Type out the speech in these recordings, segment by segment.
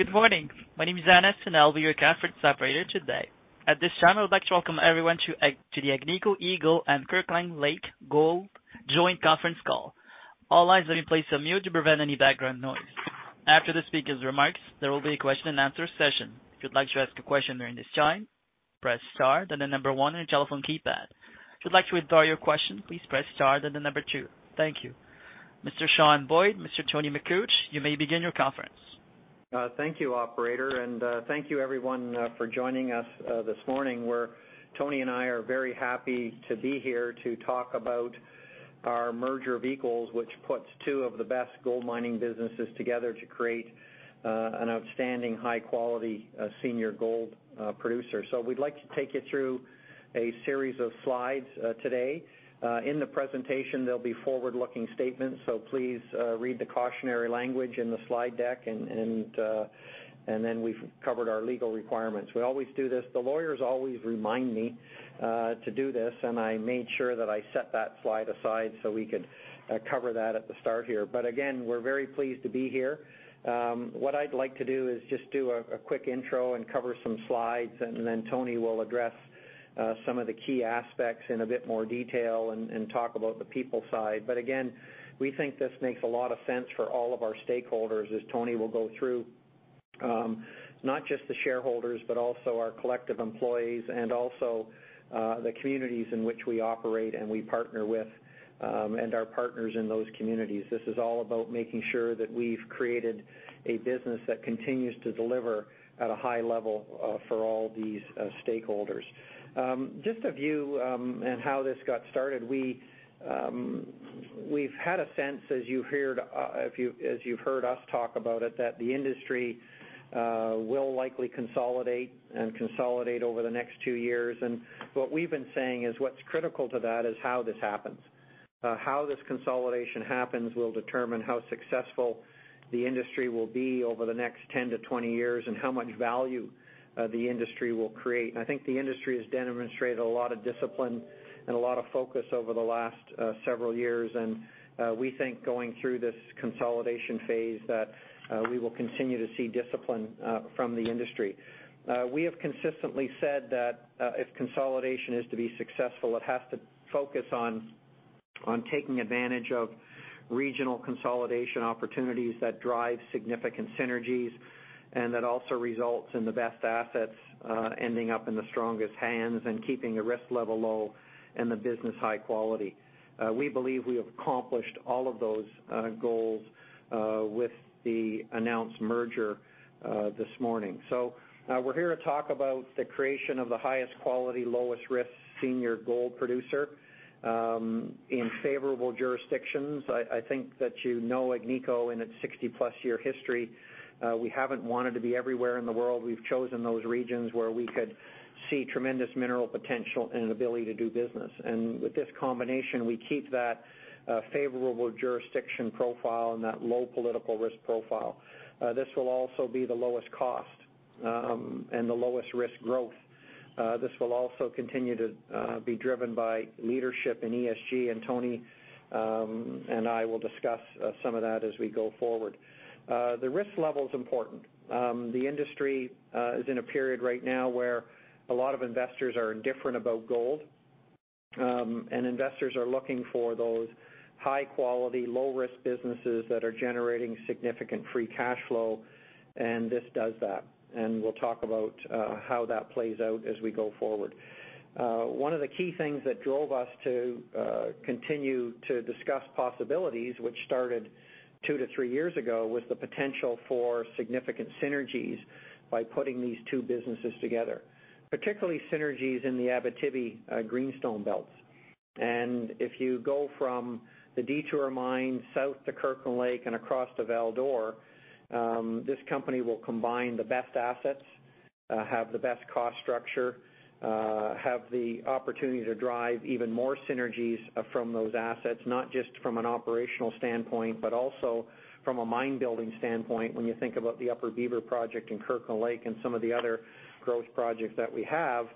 Good morning. My name is Ines, and I'll be your conference operator today. At this time, I would like to welcome everyone to the Agnico Eagle and Kirkland Lake Gold joint conference call. All lines will be placed on mute to prevent any background noise. After the speaker's remarks, there will be a question and answer session. If you'd like to ask a question during this time, press star, then the number one on your telephone keypad. If you'd like to withdraw your question, please press star, then the number two. Thank you. Mr. Sean Boyd, Mr. Tony Makuch, you may begin your conference. Thank you, operator, and thank you everyone for joining us this morning, where Tony and I are very happy to be here to talk about our merger of equals, which puts two of the best gold mining businesses together to create an outstanding high quality senior gold producer. We'd like to take you through a series of slides today. In the presentation, there'll be forward-looking statements, so please read the cautionary language in the slide deck, and then we've covered our legal requirements. We always do this. The lawyers always remind me to do this, and I made sure that I set that slide aside so we could cover that at the start here. Again, we're very pleased to be here. What I'd like to do is just do a quick intro and cover some slides, and then Tony will address some of the key aspects in a bit more detail and talk about the people side. But again, we think this makes a lot of sense for all of our stakeholders as Tony will go through, not just the shareholders, but also our collective employees and also the communities in which we operate and we partner with, and our partners in those communities. This is all about making sure that we've created a business that continues to deliver at a high level for all these stakeholders. Just a view and how this got started, we've had a sense, as you've heard us talk about it, that the industry will likely consolidate and consolidate over the next two years. What we've been saying is what's critical to that is how this happens. How this consolidation happens will determine how successful the industry will be over the next 10-20 years and how much value the industry will create. I think the industry has demonstrated a lot of discipline and a lot of focus over the last several years, and we think going through this consolidation phase that we will continue to see discipline from the industry. We have consistently said that if consolidation is to be successful, it has to focus on taking advantage of regional consolidation opportunities that drive significant synergies and that also results in the best assets ending up in the strongest hands and keeping the risk level low and the business high quality. We believe we have accomplished all of those goals with the announced merger this morning. We're here to talk about the creation of the highest quality, lowest risk senior gold producer in favorable jurisdictions. I think that you know Agnico in its 60+ year history, we haven't wanted to be everywhere in the world. We've chosen those regions where we could see tremendous mineral potential and an ability to do business. With this combination, we keep that favorable jurisdiction profile and that low political risk profile. This will also be the lowest cost and the lowest risk growth. This will also continue to be driven by leadership in ESG, and Tony and I will discuss some of that as we go forward. The risk level is important. The industry is in a period right now where a lot of investors are indifferent about gold, and investors are looking for those high quality, low risk businesses that are generating significant free cash flow, and this does that. We'll talk about how that plays out as we go forward. One of the key things that drove us to continue to discuss possibilities, which started two to three years ago, was the potential for significant synergies by putting these two businesses together, particularly synergies in the Abitibi Greenstone belts. If you go from the Detour Mine south to Kirkland Lake and across to Val d'Or, this company will combine the best assets, have the best cost structure, have the opportunity to drive even more synergies from those assets, not just from an operational standpoint, but also from a mine building standpoint when you think about the Upper Beaver project in Kirkland Lake and some of the other growth projects that we have.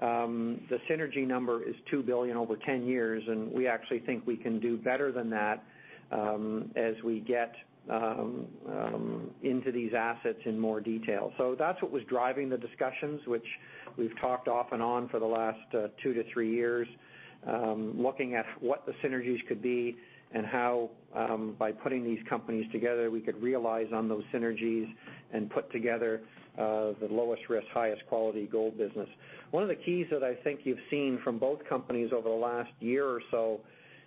The synergy number is 2 billion over 10 years, and we actually think we can do better than that as we get into these assets in more detail. That's what was driving the discussions, which we've talked off and on for the last two to three years, looking at what the synergies could be and how, by putting these companies together, we could realize on those synergies and put together the lowest risk, highest quality gold business. One of the keys that I think you've seen from both companies over the last year or so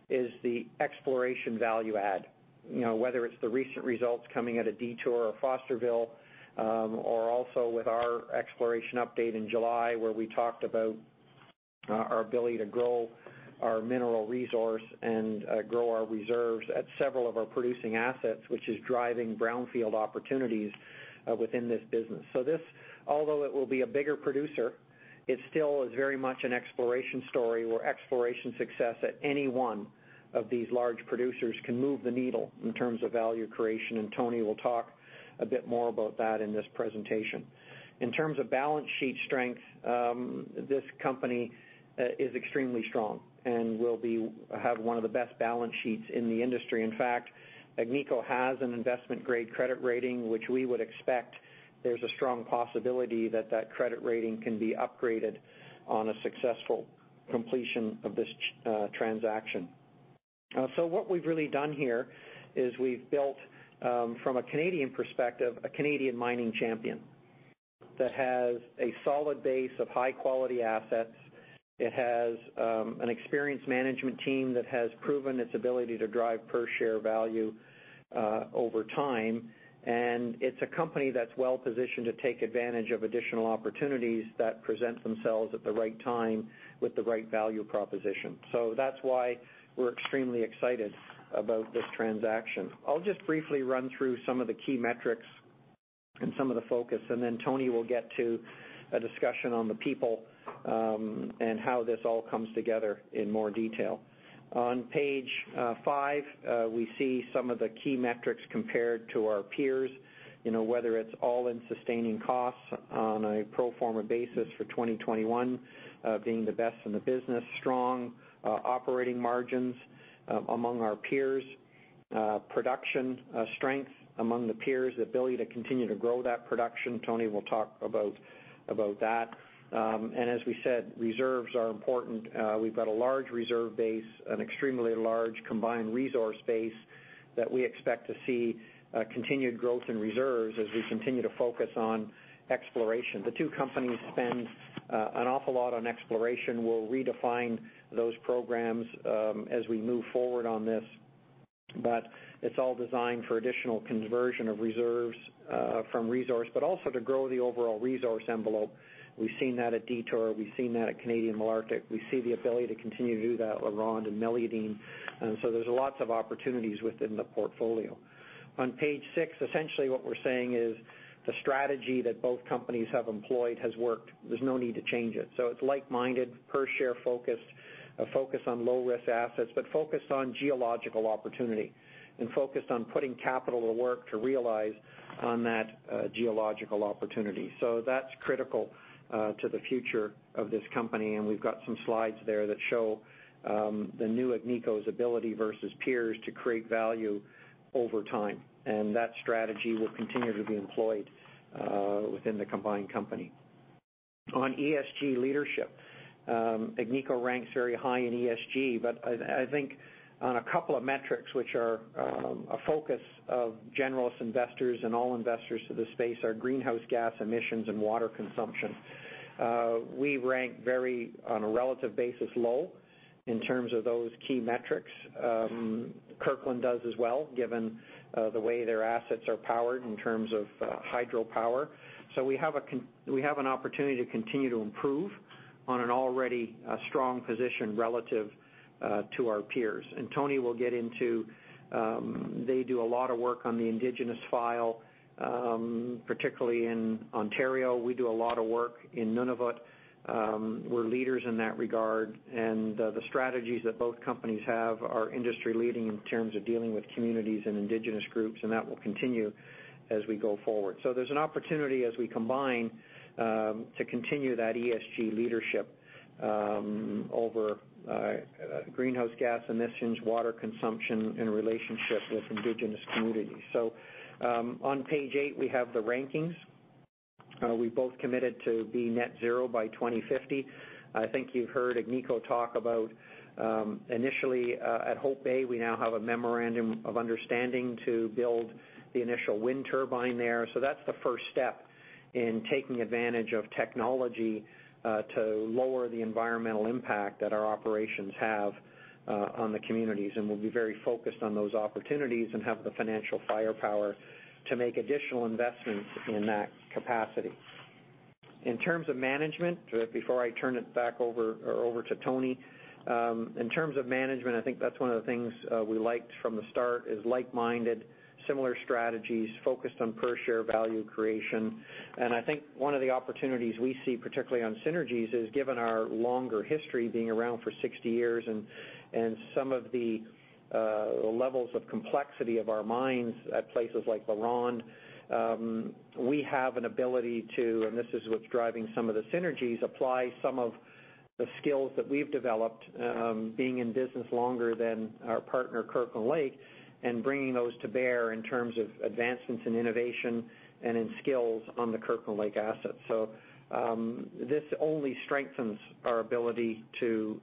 is the exploration value add. Whether it's the recent results coming out of Detour or Fosterville, or also with our exploration update in July where we talked about our ability to grow our mineral resource and grow our reserves at several of our producing assets, which is driving brownfield opportunities within this business. This, although it will be a bigger producer, it still is very much an exploration story where exploration success at any one of these large producers can move the needle in terms of value creation, and Tony will talk a bit more about that in this presentation. In terms of balance sheet strength, this company is extremely strong and will have one of the best balance sheets in the industry. In fact, Agnico has an investment grade credit rating, which we would expect there's a strong possibility that credit rating can be upgraded on a successful completion of this transaction. What we've really done here is we've built, from a Canadian perspective, a Canadian mining champion that has a solid base of high-quality assets. It has an experienced management team that has proven its ability to drive per share value over time, and it's a company that's well-positioned to take advantage of additional opportunities that present themselves at the right time with the right value proposition. That's why we're extremely excited about this transaction. I'll just briefly run through some of the key metrics and some of the focus, and then Tony will get to a discussion on the people, and how this all comes together in more detail. On page five, we see some of the key metrics compared to our peers, whether it's all-in sustaining costs on a pro forma basis for 2021, being the best in the business, strong operating margins among our peers, production strength among the peers, the ability to continue to grow that production, Tony will talk about that. As we said, reserves are important. We've got a large reserve base, an extremely large combined resource base that we expect to see continued growth in reserves as we continue to focus on exploration. The two companies spend an awful lot on exploration. We'll redefine those programs as we move forward on this, but it's all designed for additional conversion of reserves from resource, but also to grow the overall resource envelope. We've seen that at Detour, we've seen that at Canadian Malartic, we see the ability to continue to do that at LaRonde and Meliadine, and so there's lots of opportunities within the portfolio. On page six, essentially what we're saying is the strategy that both companies have employed has worked. There's no need to change it. It's like-minded, per share focused, a focus on low-risk assets, but focused on geological opportunity and focused on putting capital to work to realize on that geological opportunity. That's critical to the future of this company, and we've got some slides there that show the new Agnico's ability versus peers to create value over time, and that strategy will continue to be employed within the combined company. On ESG leadership, Agnico ranks very high in ESG, but I think on a two of metrics which are a focus of generalists investors and all investors to this space are greenhouse gas emissions and water consumption. We rank very, on a relative basis, low in terms of those key metrics. Kirkland does as well, given the way their assets are powered in terms of hydropower. We have an opportunity to continue to improve on an already strong position relative to our peers. Tony will get into, they do a lot of work on the Indigenous file, particularly in Ontario. We do a lot of work in Nunavut. We're leaders in that regard, and the strategies that both companies have are industry leading in terms of dealing with communities and Indigenous groups, and that will continue as we go forward. There's an opportunity as we combine to continue that ESG leadership over greenhouse gas emissions, water consumption, and relationship with Indigenous communities. On page eight, we have the rankings. We both committed to be net zero by 2050. I think you've heard Agnico talk about, initially at Hope Bay, we now have a memorandum of understanding to build the initial wind turbine there. That's the first step in taking advantage of technology to lower the environmental impact that our operations have on the communities, and we'll be very focused on those opportunities and have the financial firepower to make additional investments in that capacity. In terms of management, before I turn it back over to Tony, I think that's one of the things we liked from the start is like-minded, similar strategies focused on per share value creation. I think one of the opportunities we see, particularly on synergies, is given our longer history, being around for 60 years, and some of the levels of complexity of our mines at places like LaRonde, we have an ability to, and this is what's driving some of the synergies, apply some of the skills that we've developed being in business longer than our partner, Kirkland Lake, and bringing those to bear in terms of advancements in innovation and in skills on the Kirkland Lake assets. This only strengthens our ability to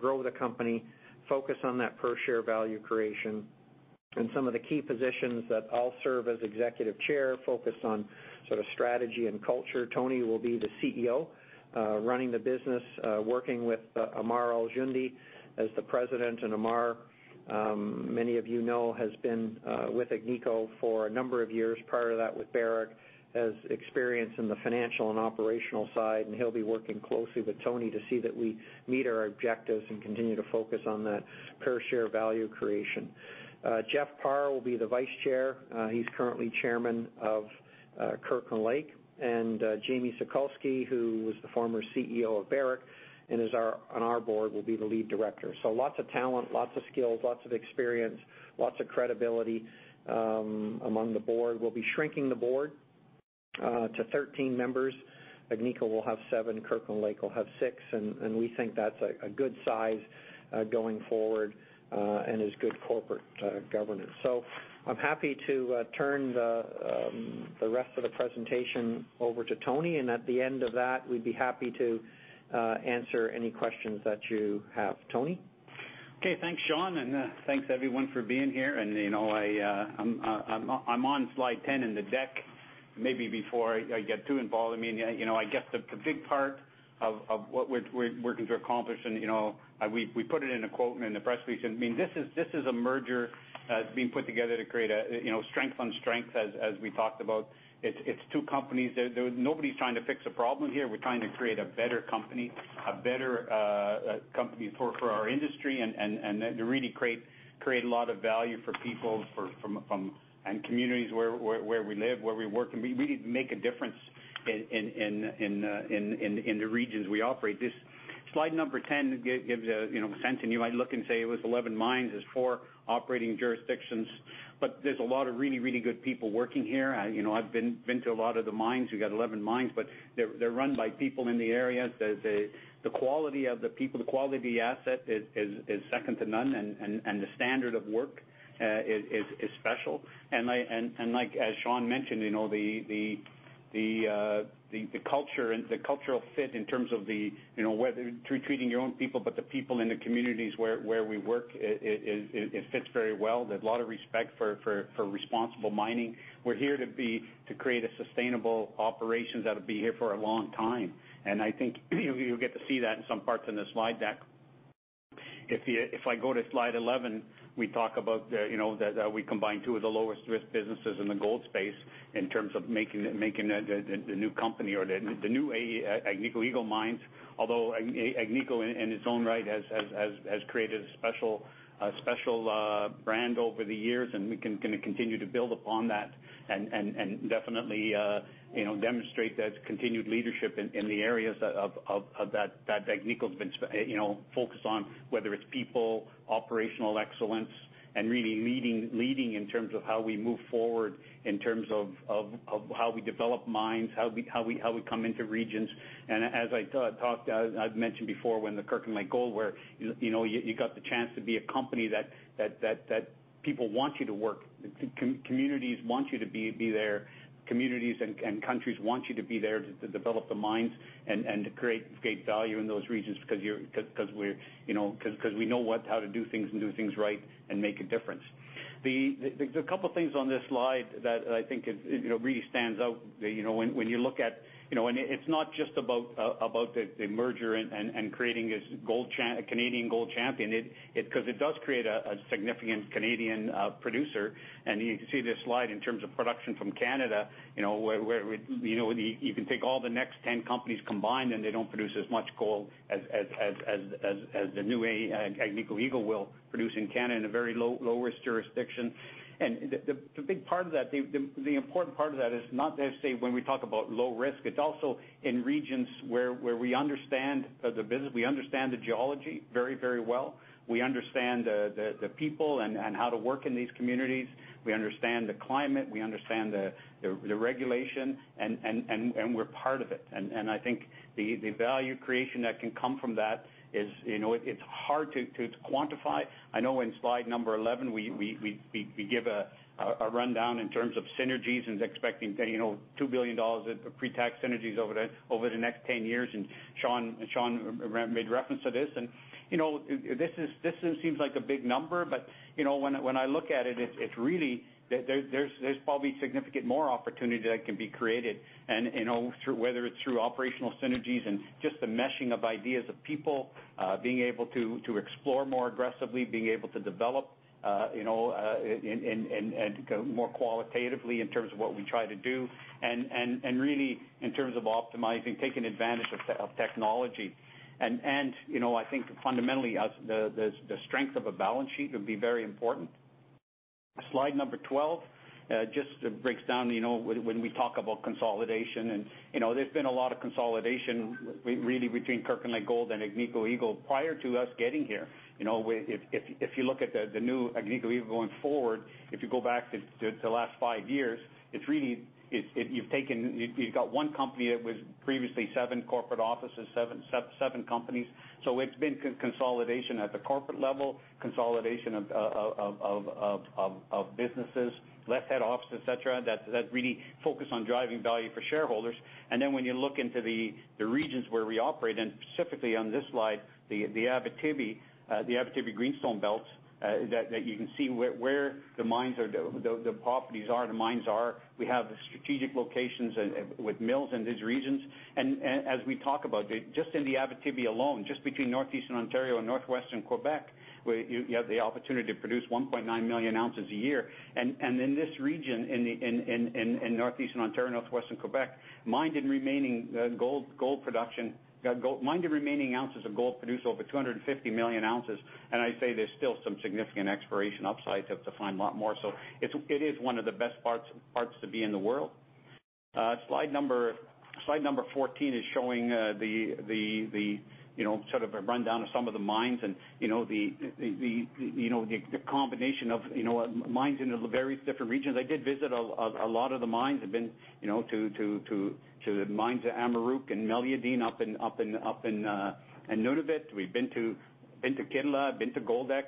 grow the company, focus on that per share value creation and some of the key positions that I'll serve as executive chair focused on sort of strategy and culture. Tony will be the CEO, running the business, working with Ammar Al-Joundi as the President. Ammar, many of you know, has been with Agnico for a number of years, prior to that with Barrick, has experience in the financial and operational side, and he'll be working closely with Tony to see that we meet our objectives and continue to focus on that per share value creation. Jeff Parr will be the Vice Chair. He's currently Chairman of Kirkland Lake. Jamie Sokalsky, who was the former CEO of Barrick and is on our board, will be the Lead Director. Lots of talent, lots of skills, lots of experience, lots of credibility among the board. We'll be shrinking the board to 13 members. Agnico will have seven, Kirkland Lake Gold will have six. We think that's a good size going forward, and is good corporate governance. I'm happy to turn the rest of the presentation over to Tony, and at the end of that, we'd be happy to answer any questions that you have. Tony? Okay, thanks, Sean. Thanks, everyone, for being here. I'm on slide 10 in the deck. Maybe before I get too involved, I guess the big part of what we're working to accomplish. We put it in a quote in the press release, this is a merger that's being put together to create strength on strength, as we talked about. It's two companies. Nobody's trying to fix a problem here. We're trying to create a better company for our industry, and to really create a lot of value for people and communities where we live, where we work, and really make a difference in the regions we operate. This slide number 10 gives a sense. You might look and say it was 11 mines, there's four operating jurisdictions, but there's a lot of really good people working here. I've been to a lot of the mines. We've got 11 mines, but they're run by people in the area. The quality of the people, the quality of the asset is second to none, and the standard of work is special. As Sean mentioned, the cultural fit in terms of whether through treating your own people, but the people in the communities where we work, it fits very well. There's a lot of respect for responsible mining. We're here to create a sustainable operations that'll be here for a long time, and I think you'll get to see that in some parts in the slide deck. If I go to slide 11, we talk about that we combine two of the lowest risk businesses in the gold space in terms of making the new company or the new Agnico Eagle Mines. Although Agnico, in its own right, has created a special brand over the years, we can continue to build upon that and definitely demonstrate that continued leadership in the areas that Agnico's been focused on, whether it's people, operational excellence, and really leading in terms of how we move forward, in terms of how we develop mines, how we come into regions. As I've mentioned before, you got the chance to be a company that people want you to work. Communities want you to be there. Communities and countries want you to be there to develop the mines and to create value in those regions because we know how to do things and do things right and make a difference. There's a couple things on this slide that I think really stands out when you look at, and it's not just about the merger and creating this Canadian gold champion, because it does create a significant Canadian producer. You can see this slide in terms of production from Canada, where you can take all the next 10 companies combined, and they don't produce as much gold as the new Agnico Eagle will produce in Canada in a very low risk jurisdiction. The important part of that is not necessarily when we talk about low risk, it's also in regions where we understand the geology very well. We understand the people and how to work in these communities. We understand the climate, we understand the regulation, and we're part of it. I think the value creation that can come from that, it's hard to quantify. I know in slide number 11, we give a rundown in terms of synergies and expecting 2 billion dollars of pre-tax synergies over the next 10 years, and Sean made reference to this. This seems like a big number, but when I look at it, there is probably significant more opportunity that can be created, and whether it is through operational synergies and just the meshing of ideas of people, being able to explore more aggressively, being able to develop more qualitatively in terms of what we try to do and really in terms of optimizing, taking advantage of technology. I think fundamentally, the strength of a balance sheet would be very important. Slide number 12 just breaks down when we talk about consolidation and there has been a lot of consolidation really between Kirkland Lake Gold and Agnico Eagle prior to us getting here. If you look at the new Agnico Eagle going forward, if you go back to the last five years, you've got one company that was previously seven corporate offices, seven companies. It's been consolidation at the corporate level, consolidation of businesses, less head office, et cetera, that really focus on driving value for shareholders. When you look into the regions where we operate, and specifically on this slide, the Abitibi Greenstone belt, that you can see where the properties are, the mines are. We have the strategic locations with mills in these regions. As we talk about, just in the Abitibi alone, just between northeastern Ontario and northwestern Quebec, where you have the opportunity to produce 1.9 million ounces a year. In this region, in northeastern Ontario, northwestern Quebec, mined and remaining ounces of gold produced over 250 million ounces. I'd say there's still some significant exploration upside to find a lot more. It is one of the best parts to be in the world. Slide number 14 is showing sort of a rundown of some of the mines and the combination of mines in the various different regions. I did visit a lot of the mines. I've been to the mines at Amaruq and Meliadine up in Nunavut. We've been to Kittilä, been to Goldex.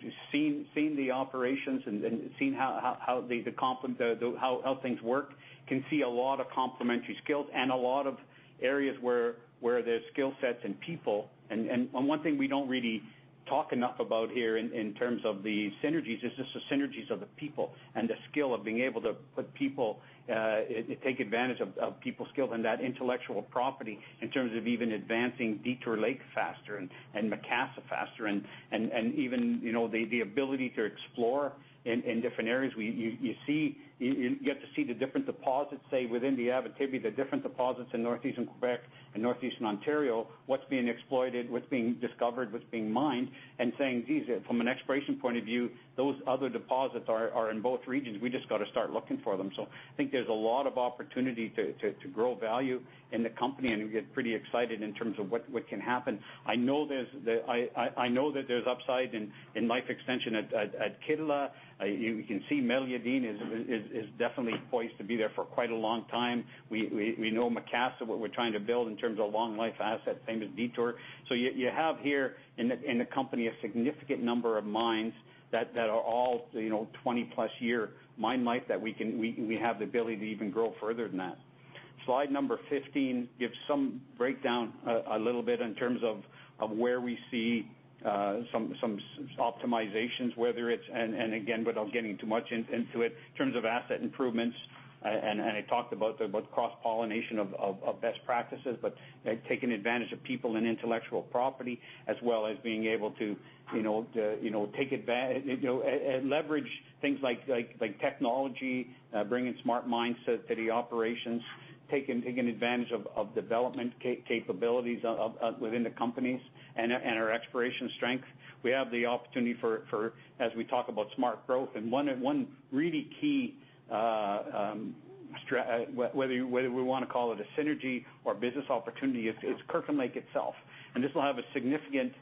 Just seeing the operations and seeing how things work can see a lot of complementary skills and a lot of areas where there's skillsets and people. One thing we don't really talk enough about here in terms of the synergies is just the synergies of the people and the skill of being able to put people, take advantage of people's skills and that intellectual property in terms of even advancing Detour Lake faster and Macassa faster. Even, the ability to explore in different areas. You get to see the different deposits, say, within the Abitibi, the different deposits in Northeastern Quebec and Northeastern Ontario, what's being exploited, what's being discovered, what's being mined, and saying, geez, from an exploration point of view, those other deposits are in both regions. We just got to start looking for them. I think there's a lot of opportunity to grow value in the company, and we get pretty excited in terms of what can happen. I know that there's upside in life extension at Kittilä. You can see Meliadine is definitely poised to be there for quite a long time. We know Macassa, what we're trying to build in terms of long life assets, same as Detour. You have here in the company a significant number of mines that are all 20+ year mine life that we have the ability to even grow further than that. Slide number 15 gives some breakdown a little bit in terms of where we see some optimizations, whether it's, and again, without getting too much into it, in terms of asset improvements, and I talked about the cross-pollination of best practices, but taking advantage of people and intellectual property, as well as being able to leverage things like technology, bringing smart mindset to the operations, taking advantage of development capabilities within the companies and our exploration strength. We have the opportunity for, as we talk about smart growth, one really key, whether we want to call it a synergy or business opportunity, is Kirkland Lake itself. This will have a significant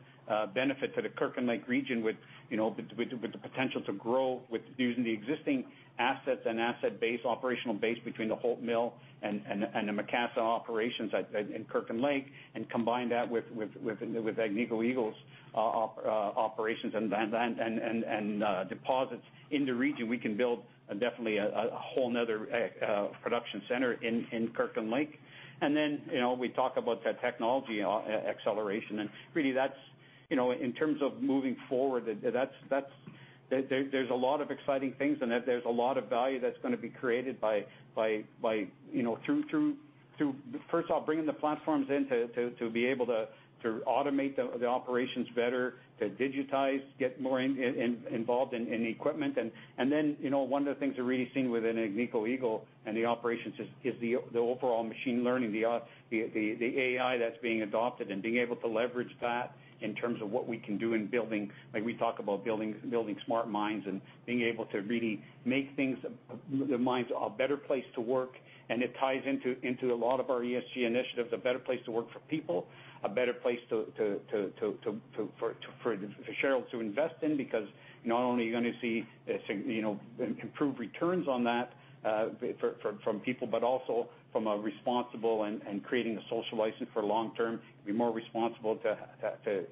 benefit to the Kirkland Lake region with the potential to grow using the existing assets and asset base, operational base between the Holt mill and the Macassa operations in Kirkland Lake and combine that with Agnico Eagle's operations and deposits in the region. We can build definitely a whole other production center in Kirkland Lake. Then, we talk about that technology acceleration, and really that's, in terms of moving forward, there's a lot of exciting things and there's a lot of value that's going to be created through, first of all, bringing the platforms in to be able to automate the operations better, to digitize, get more involved in equipment. One of the things we're really seeing within Agnico Eagle and the operations is the overall machine learning, the AI that's being adopted and being able to leverage that in terms of what we can do in building, like we talk about building smart mines and being able to really make the mines a better place to work, and it ties into a lot of our ESG initiatives, a better place to work for people, a better place for shareholders to invest in because not only are you going to see improved returns on that from people, but also from a responsible and creating a social license for long term, be more responsible to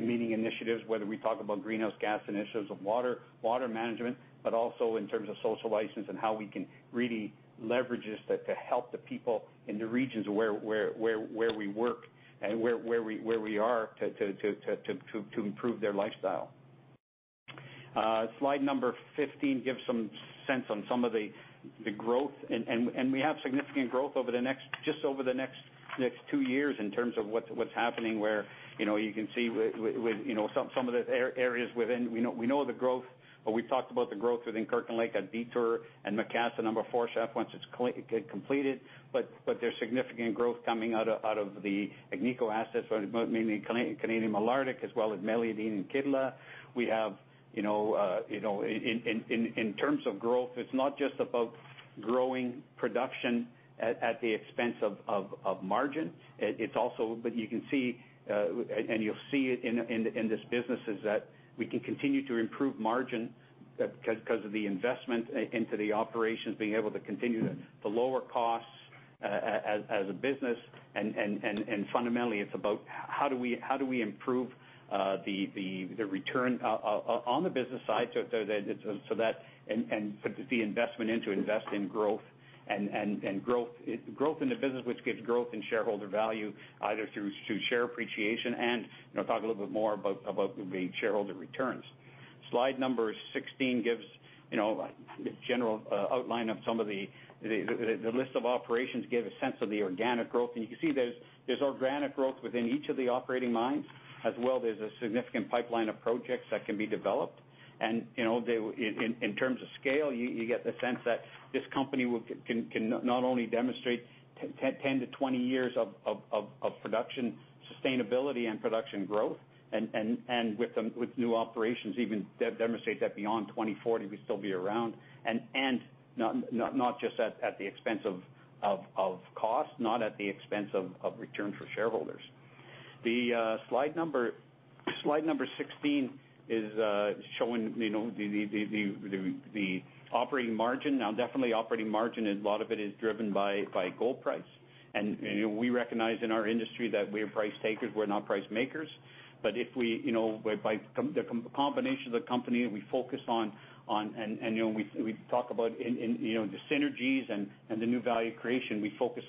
meeting initiatives, whether we talk about greenhouse gas initiatives of water management, but also in terms of social license and how we can really leverage this to help the people in the regions where we work and where we are to improve their lifestyle. Slide number 15 gives some sense on some of the growth, and we have significant growth just over the next two years in terms of what's happening, where you can see some of the areas within. We know the growth, or we talked about the growth within Kirkland Lake at Detour and Macassa number four shaft once it's completed, but there's significant growth coming out of the Agnico assets, mainly Canadian Malartic, as well as Meliadine and Kittilä. In terms of growth, it's not just about growing production at the expense of margin. It's also, but you can see, and you'll see it in this business is that we can continue to improve margin because of the investment into the operations, being able to continue to lower costs as a business, and fundamentally, it's about how do we improve the return on the business side and to the investment into invest in growth and growth in the business, which gives growth in shareholder value either through share appreciation and talk a little bit more about the shareholder returns. Slide 16 gives a general outline of some of the list of operations, give a sense of the organic growth. You can see there's organic growth within each of the operating mines. As well, there's a significant pipeline of projects that can be developed. In terms of scale, you get the sense that this company can not only demonstrate 10-20 years of production sustainability and production growth and with new operations, even demonstrate that beyond 2040, we still be around and not just at the expense of cost, not at the expense of return for shareholders. The slide number 16 is showing the operating margin. Now, definitely operating margin, a lot of it is driven by gold price. We recognize in our industry that we're price takers, we're not price makers. The combination of the company, we focus on, and we talk about the synergies and the new value creation, we focus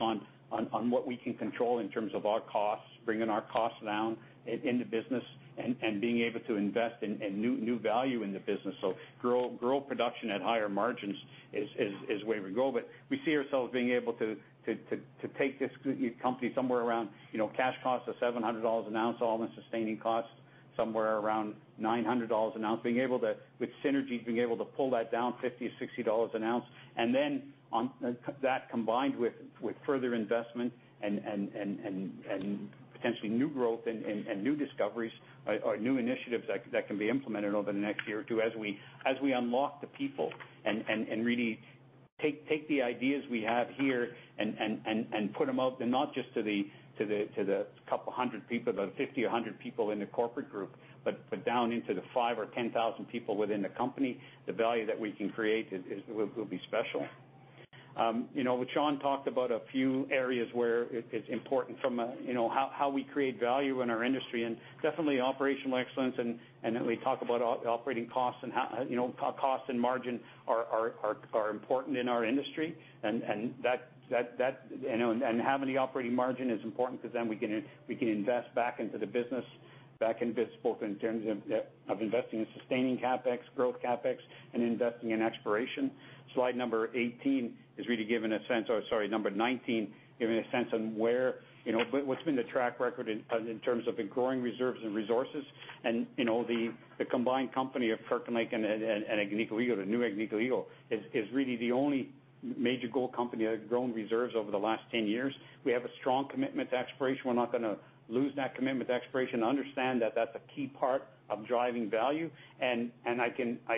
on what we can control in terms of our costs, bringing our costs down in the business, and being able to invest in new value in the business. Grow production at higher margins is where we go. We see ourselves being able to take this company somewhere around cash costs of 700 dollars an ounce, all-in sustaining costs somewhere around 900 dollars an ounce, with synergies, being able to pull that down 50 dollars, CAD 60 an ounce. That combined with further investment and potentially new growth and new discoveries or new initiatives that can be implemented over the next year or two as we unlock the people and really take the ideas we have here and put them out there, not just to the couple of 100 people, the 50 or 100 people in the corporate group, but down into the 5,000 or 10,000 people within the company, the value that we can create will be special. Sean talked about a few areas where it's important from how we create value in our industry. Definitely operational excellence, and we talk about operating costs and how costs and margin are important in our industry. Having the operating margin is important because we can invest back into the business, both in terms of investing in sustaining CapEx, growth CapEx, and investing in exploration. Slide number 19 is really giving a sense on what's been the track record in terms of growing reserves and resources. The combined company of Kirkland Lake and Agnico Eagle, the new Agnico Eagle, is really the only major gold company that has grown reserves over the last 10 years. We have a strong commitment to exploration. We're not going to lose that commitment to exploration, understand that that's a key part of driving value. I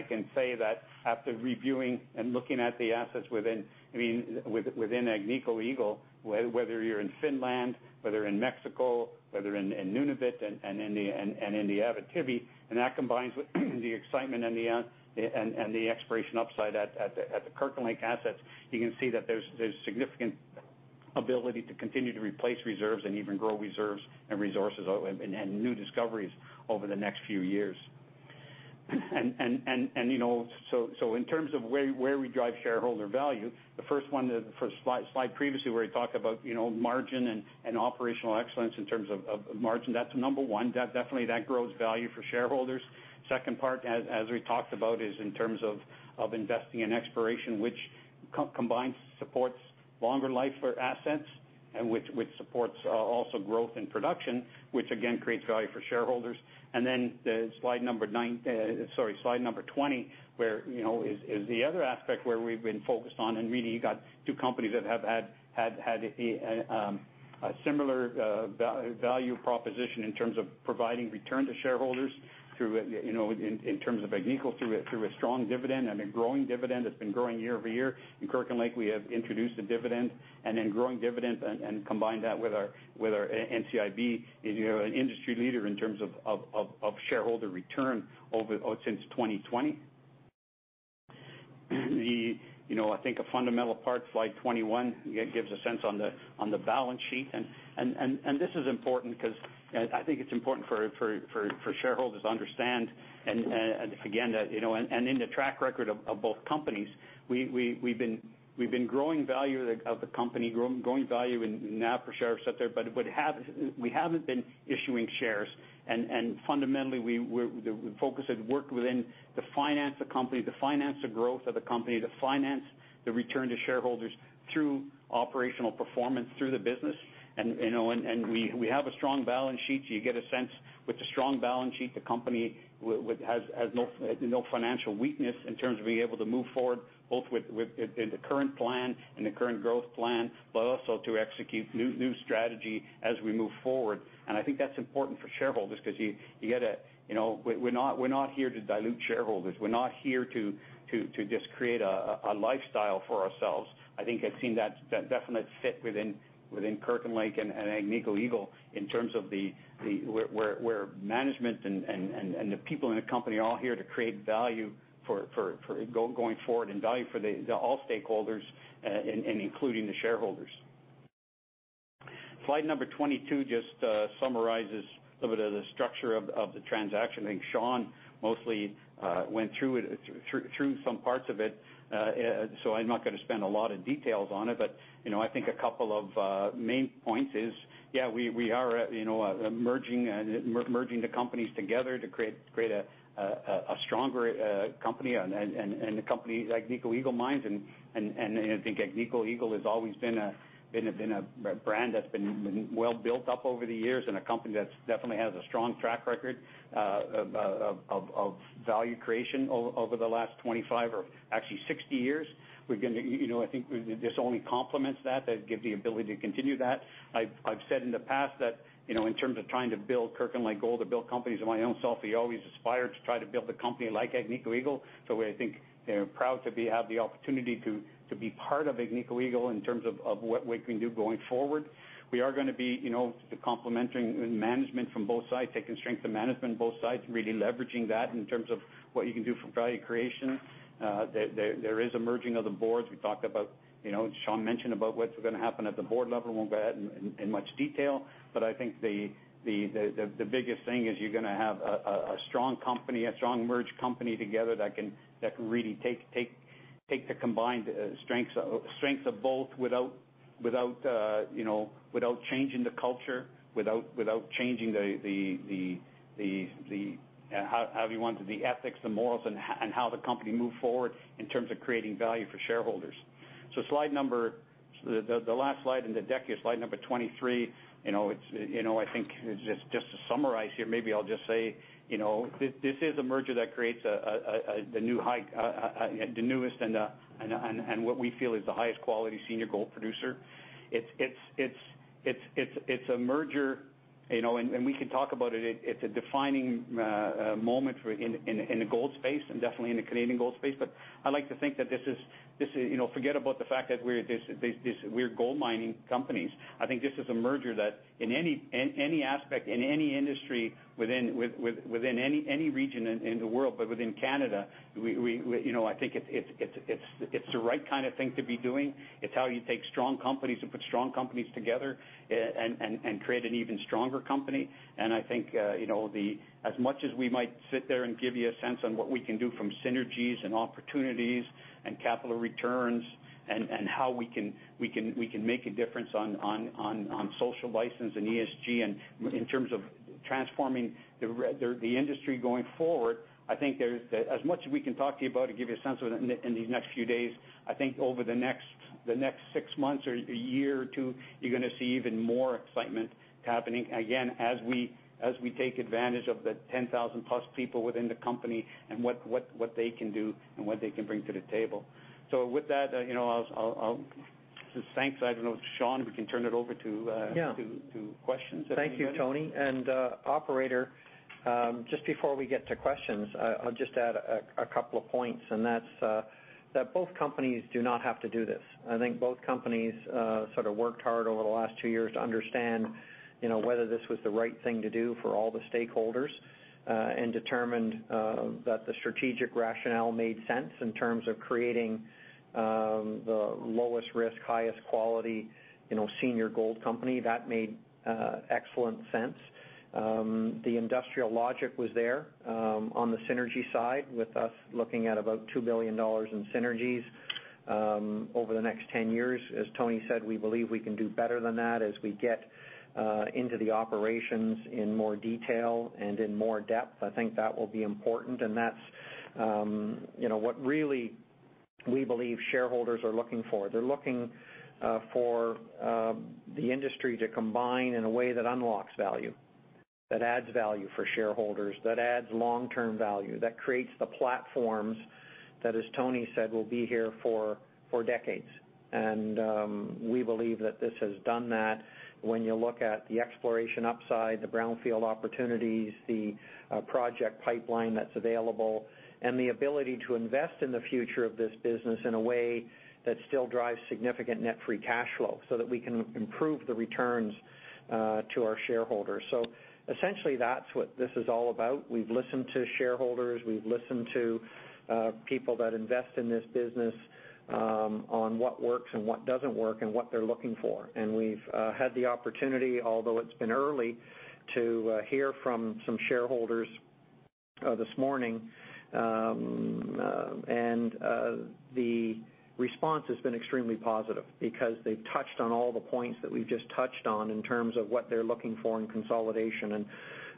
can say that after reviewing and looking at the assets within Agnico Eagle, whether you're in Finland, whether in Mexico, whether in Nunavut and in the Abitibi, and that combines with the excitement and the exploration upside at the Kirkland Lake assets, you can see that there's significant ability to continue to replace reserves and even grow reserves and resources and new discoveries over the next few years. In terms of where we drive shareholder value, the first slide previously where we talked about margin and operational excellence in terms of margin, that's number one. Definitely, that grows value for shareholders. Second part, as we talked about, is in terms of investing in exploration, which combined supports longer life for assets and which supports also growth in production, which again creates value for shareholders. Sorry, slide 20, is the other aspect where we've been focused on and really you got two companies that have had a similar value proposition in terms of providing return to shareholders in terms of Agnico through a strong dividend and a growing dividend that's been growing year-over-year. In Kirkland Lake, we have introduced a dividend, and then growing dividend and combine that with our NCIB, an industry leader in terms of shareholder return since 2020. I think a fundamental part, slide 21, gives a sense on the balance sheet. This is important because I think it's important for shareholders to understand, in the track record of both companies, we've been growing value of the company, growing value in NAV per share, et cetera, but we haven't been issuing shares. Fundamentally, the focus has worked within to finance the company, to finance the growth of the company, to finance the return to shareholders through operational performance through the business. We have a strong balance sheet, you get a sense with the strong balance sheet, the company has no financial weakness in terms of being able to move forward, both in the current plan and the current growth plan, but also to execute new strategy as we move forward. I think that's important for shareholders because we're not here to dilute shareholders. We're not here to just create a lifestyle for ourselves. I think I've seen that definite fit within Kirkland Lake and Agnico Eagle in terms of where management and the people in the company are all here to create value going forward and value for all stakeholders, and including the shareholders. Slide number 22 just summarizes a bit of the structure of the transaction. I think Sean mostly went through some parts of it, so I am not going to spend a lot of details on it, but I think a couple of main points is, yeah, we are merging the companies together to create a stronger company and a company, Agnico Eagle Mines, and I think Agnico Eagle has always been a brand that has been well built up over the years and a company that definitely has a strong track record of value creation over the last 25 or actually 60 years. I think this only complements that give the ability to continue that. I've said in the past that in terms of trying to build Kirkland Lake Gold or build companies of my own self, you always aspire to try to build a company like Agnico Eagle. I think they're proud to have the opportunity to be part of Agnico Eagle in terms of what we can do going forward. We are going to be the complementing management from both sides, taking strength of management on both sides, really leveraging that in terms of what you can do for value creation. There is a merging of the boards. Sean mentioned about what's going to happen at the board level, and won't go ahead in much detail. I think the biggest thing is you're going to have a strong merged company together that can really take the combined strengths of both without changing the culture, without changing the ethics, the morals, and how the company move forward in terms of creating value for shareholders. The last slide in the deck is slide number 23. I think just to summarize here, maybe I'll just say, this is a merger that creates the newest and what we feel is the highest quality senior gold producer. It's a merger, and we can talk about it's a defining moment in the gold space and definitely in the Canadian gold space. Forget about the fact that we're gold mining companies. I think this is a merger that in any aspect, in any industry, within any region in the world, but within Canada, I think it's the right kind of thing to be doing. It's how you take strong companies and put strong companies together and create an even stronger company. I think as much as we might sit there and give you a sense on what we can do from synergies and opportunities and capital returns and how we can make a difference on social license and ESG in terms of transforming the industry going forward, I think as much as we can talk to you about and give you a sense within these next few days, I think over the next six months or one year or two, you're going to see even more excitement happening, again, as we take advantage of the 10,000+ people within the company and what they can do and what they can bring to the table. With that, thanks. I don't know, Sean, if we can turn it over to questions. Thank you, Tony. Operator, just before we get to questions, I'll just add a couple of points, and that's that both companies do not have to do this. I think both companies sort of worked hard over the last two years to understand whether this was the right thing to do for all the stakeholders, and determined that the strategic rationale made sense in terms of creating the lowest risk, highest quality senior gold company. That made excellent sense. The industrial logic was there on the synergy side with us looking at about 2 billion dollars in synergies over the next 10 years. As Tony said, we believe we can do better than that as we get into the operations in more detail and in more depth. I think that will be important. That's what really we believe shareholders are looking for. They're looking for the industry to combine in a way that unlocks value, that adds value for shareholders, that adds long-term value, that creates the platforms that, as Tony said, will be here for decades. We believe that this has done that when you look at the exploration upside, the brownfield opportunities, the project pipeline that's available, and the ability to invest in the future of this business in a way that still drives significant net free cash flow so that we can improve the returns to our shareholders. Essentially, that's what this is all about. We've listened to shareholders, we've listened to people that invest in this business on what works and what doesn't work and what they're looking for. We've had the opportunity, although it's been early, to hear from some shareholders this morning, and the response has been extremely positive because they've touched on all the points that we've just touched on in terms of what they're looking for in consolidation.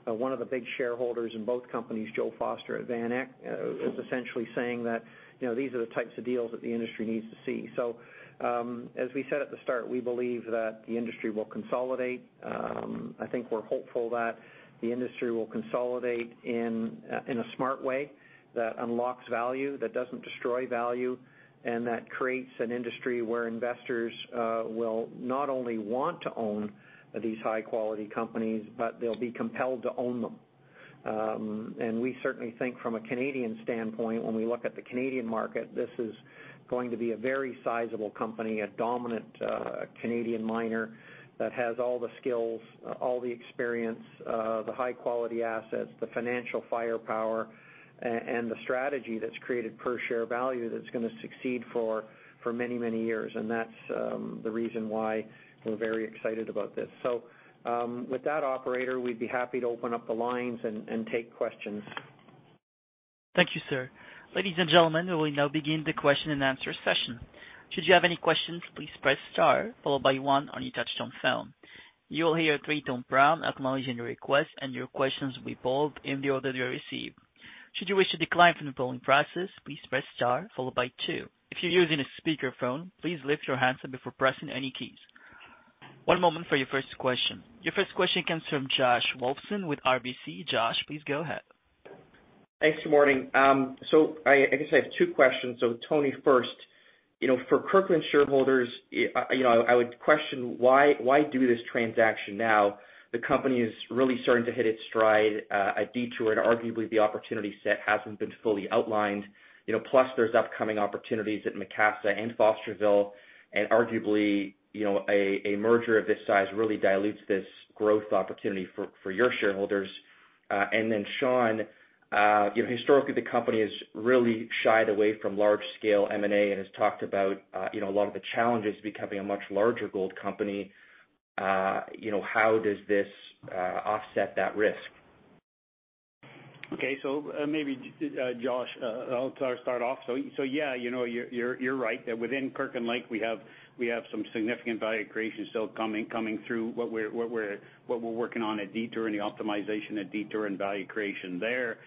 One of the big shareholders in both companies, Joe Foster at VanEck, is essentially saying that these are the types of deals that the industry needs to see. As we said at the start, we believe that the industry will consolidate. I think we're hopeful that the industry will consolidate in a smart way that unlocks value, that doesn't destroy value, and that creates an industry where investors will not only want to own these high quality companies, but they'll be compelled to own them. We certainly think from a Canadian standpoint, when we look at the Canadian market, this is going to be a very sizable company, a dominant Canadian miner that has all the skills, all the experience, the high quality assets, the financial firepower, and the strategy that's created per share value that's going to succeed for many, many years. That's the reason why we're very excited about this. With that operator, we'd be happy to open up the lines and take questions. Thank you, sir. Ladies and gentlemen, we will now begin the question and answer session. Should you have any questions, please press star followed by one on your touchtone phone. You will hear a three tone prompt acknowledging your request, and your questions will be pulled in the order they are received. Should you wish to decline from the polling process, please press star followed by two. If you're using a speakerphone, please lift your handset before pressing any keys. One moment for your first question. Your first question comes from Josh Wolfson with RBC. Josh, please go ahead. Thanks, good morning. I guess I have two questions. Tony, first, for Kirkland shareholders, I would question why do this transaction now? The company is really starting to hit its stride at Detour and arguably the opportunity set hasn't been fully outlined, plus there's upcoming opportunities at Macassa and Fosterville, and arguably, a merger of this size really dilutes this growth opportunity for your shareholders. Sean, historically the company has really shied away from large scale M&A and has talked about a lot of the challenges of becoming a much larger gold company. How does this offset that risk? Okay. Maybe, Josh, I'll start off. Yeah, you're right that within Kirkland Lake, we have some significant value creation still coming through what we're working on at Detour and the optimization at Detour and value creation there.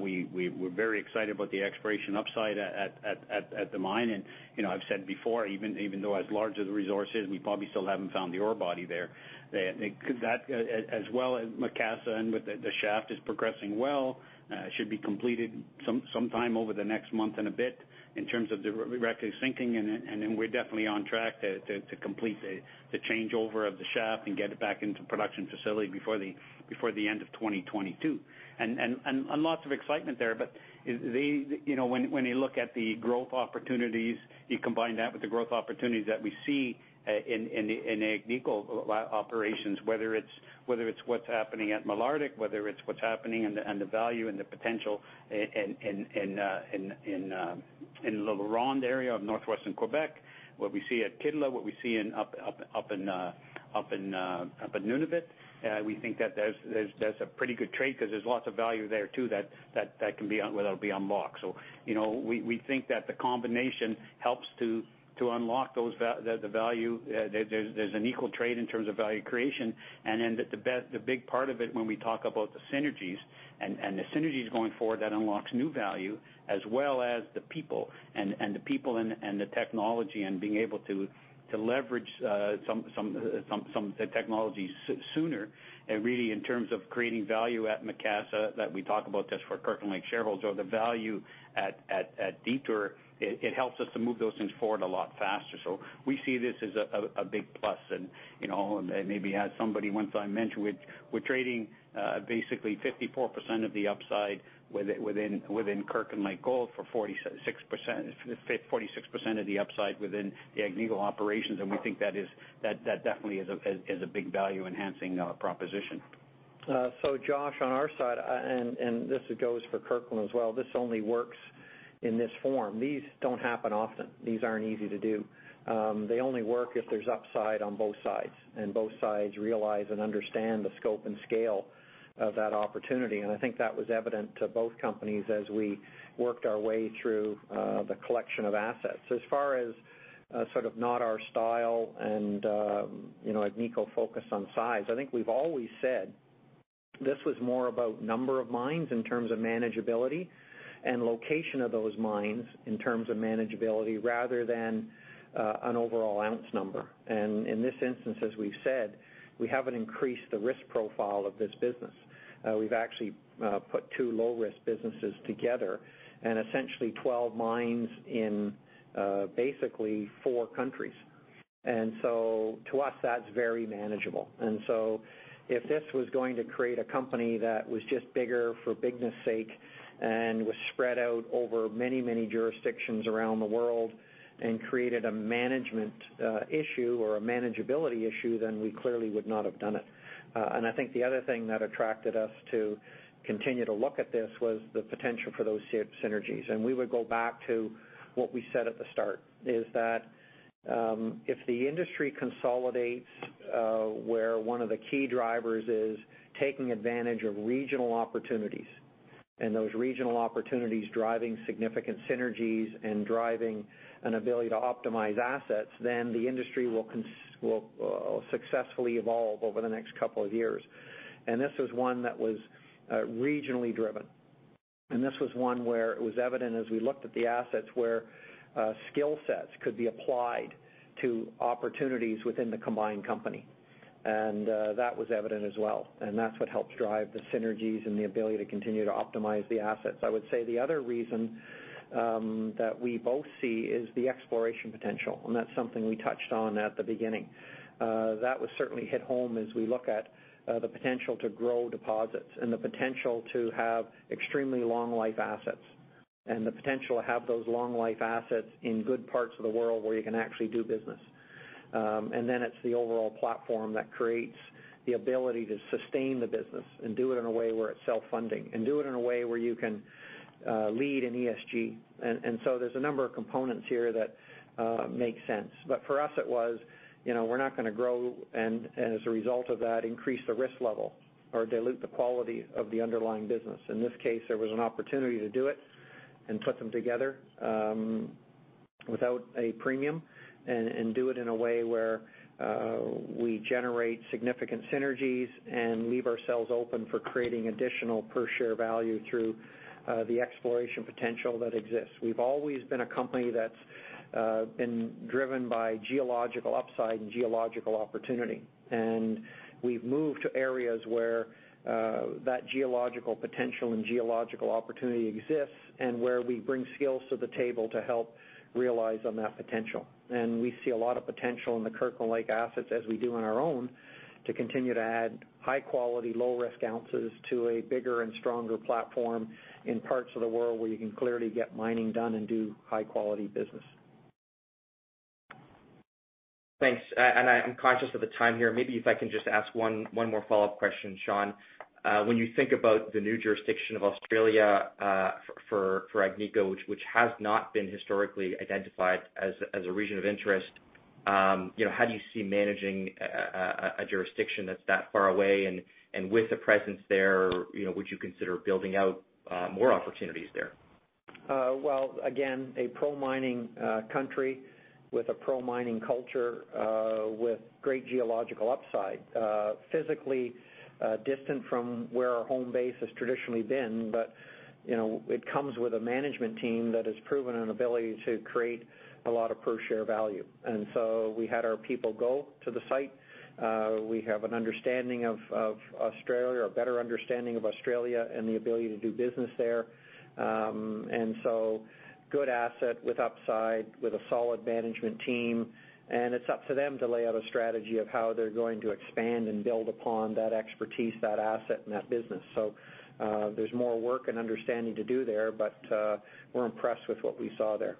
We're very excited about the exploration upside at the mine, and I've said before, even though as large as the resource is, we probably still haven't found the ore body there. That as well as Macassa and with the shaft is progressing well, should be completed some time over the next month and a bit in terms of directly sinking, and then we're definitely on track to complete the changeover of the shaft and get it back into production facility before the end of 2022. Lots of excitement there, but when you look at the growth opportunities, you combine that with the growth opportunities that we see in Agnico operations, whether it's what's happening at Malartic, whether it's what's happening and the value and the potential in the LaRonde area of Northwestern Quebec, what we see at Kittilä, what we see up in Nunavut, we think that that's a pretty good trade because there's lots of value there, too, that will be unlocked. We think that the combination helps to unlock the value. There's an equal trade in terms of value creation, the big part of it when we talk about the synergies, and the synergies going forward, that unlocks new value as well as the people and the technology and being able to leverage some technologies sooner, really in terms of creating value at Macassa that we talk about that's for Kirkland Lake shareholders or the value at Detour, it helps us to move those things forward a lot faster. We see this as a big plus, maybe as somebody once I mentioned, we're trading basically 54% of the upside within Kirkland Lake Gold for 46% of the upside within the Agnico operations, we think that definitely is a big value enhancing proposition. Josh, on our side, and this goes for Kirkland as well, this only works in this form. These don't happen often. These aren't easy to do. They only work if there's upside on both sides, and both sides realize and understand the scope and scale of that opportunity, and I think that was evident to both companies as we worked our way through the collection of assets. As far as sort of not our style and Agnico focus on size, I think we've always said this was more about number of mines in terms of manageability and location of those mines in terms of manageability rather than an overall ounce number. In this instance, as we've said, we haven't increased the risk profile of this business. We've actually put two low risk businesses together and essentially 12 mines in basically four countries. To us, that's very manageable. If this was going to create a company that was just bigger for bigness sake and was spread out over many jurisdictions around the world and created a management issue or a manageability issue, then we clearly would not have done it. I think the other thing that attracted us to continue to look at this was the potential for those synergies. We would go back to what we said at the start, is that if the industry consolidates where one of the key drivers is taking advantage of regional opportunities and those regional opportunities driving significant synergies and driving an ability to optimize assets, then the industry will successfully evolve over the next couple of years. This was one that was regionally driven. This was one where it was evident as we looked at the assets where skill sets could be applied to opportunities within the combined company. That was evident as well, and that's what helps drive the synergies and the ability to continue to optimize the assets. I would say the other reason that we both see is the exploration potential, and that's something we touched on at the beginning. That would certainly hit home as we look at the potential to grow deposits and the potential to have extremely long life assets and the potential to have those long life assets in good parts of the world where you can actually do business. Then it's the overall platform that creates the ability to sustain the business and do it in a way where it's self-funding and do it in a way where you can lead in ESG. There's a number of components here that make sense. For us, it was, we're not going to grow and as a result of that, increase the risk level or dilute the quality of the underlying business. In this case, there was an opportunity to do it and put them together without a premium and do it in a way where we generate significant synergies and leave ourselves open for creating additional per share value through the exploration potential that exists. We've always been a company that's been driven by geological upside and geological opportunity. We've moved to areas where that geological potential and geological opportunity exists and where we bring skills to the table to help realize on that potential. We see a lot of potential in the Kirkland Lake assets as we do on our own to continue to add high quality, low risk ounces to a bigger and stronger platform in parts of the world where you can clearly get mining done and do high quality business. Thanks. I'm conscious of the time here. Maybe if I can just ask one more follow-up question, Sean. When you think about the new jurisdiction of Australia, for Agnico, which has not been historically identified as a region of interest, how do you see managing a jurisdiction that's that far away? With a presence there, would you consider building out more opportunities there? Well, again, a pro-mining country with a pro-mining culture, with great geological upside. Physically distant from where our home base has traditionally been, but it comes with a management team that has proven an ability to create a lot of per share value. We had our people go to the site. We have an understanding of Australia, a better understanding of Australia, and the ability to do business there. Good asset with upside, with a solid management team, and it's up to them to lay out a strategy of how they're going to expand and build upon that expertise, that asset, and that business. There's more work and understanding to do there, but we're impressed with what we saw there.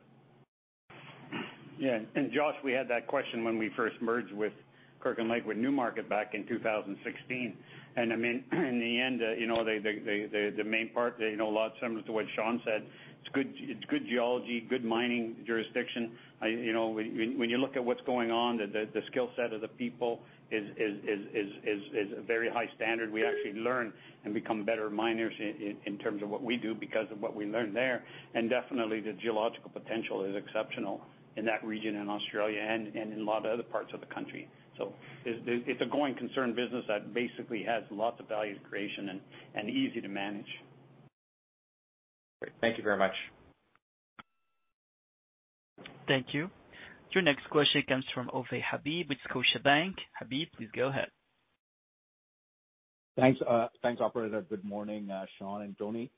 Yeah. Josh, we had that question when we first merged with Kirkland Lake Gold with Newmarket back in 2016. In the end, the main part, a lot similar to what Sean said, it's good geology, good mining jurisdiction. When you look at what's going on, the skill set of the people is a very high standard. We actually learn and become better miners in terms of what we do because of what we learn there. Definitely the geological potential is exceptional in that region in Australia and in a lot of other parts of the country. It's a growing concern business that basically has lots of value creation and easy to manage. Great. Thank you very much. Thank you. Your next question comes from Ovais Habib with Scotiabank. Habib, please go ahead. Thanks, operator. Good morning, Sean and Tony.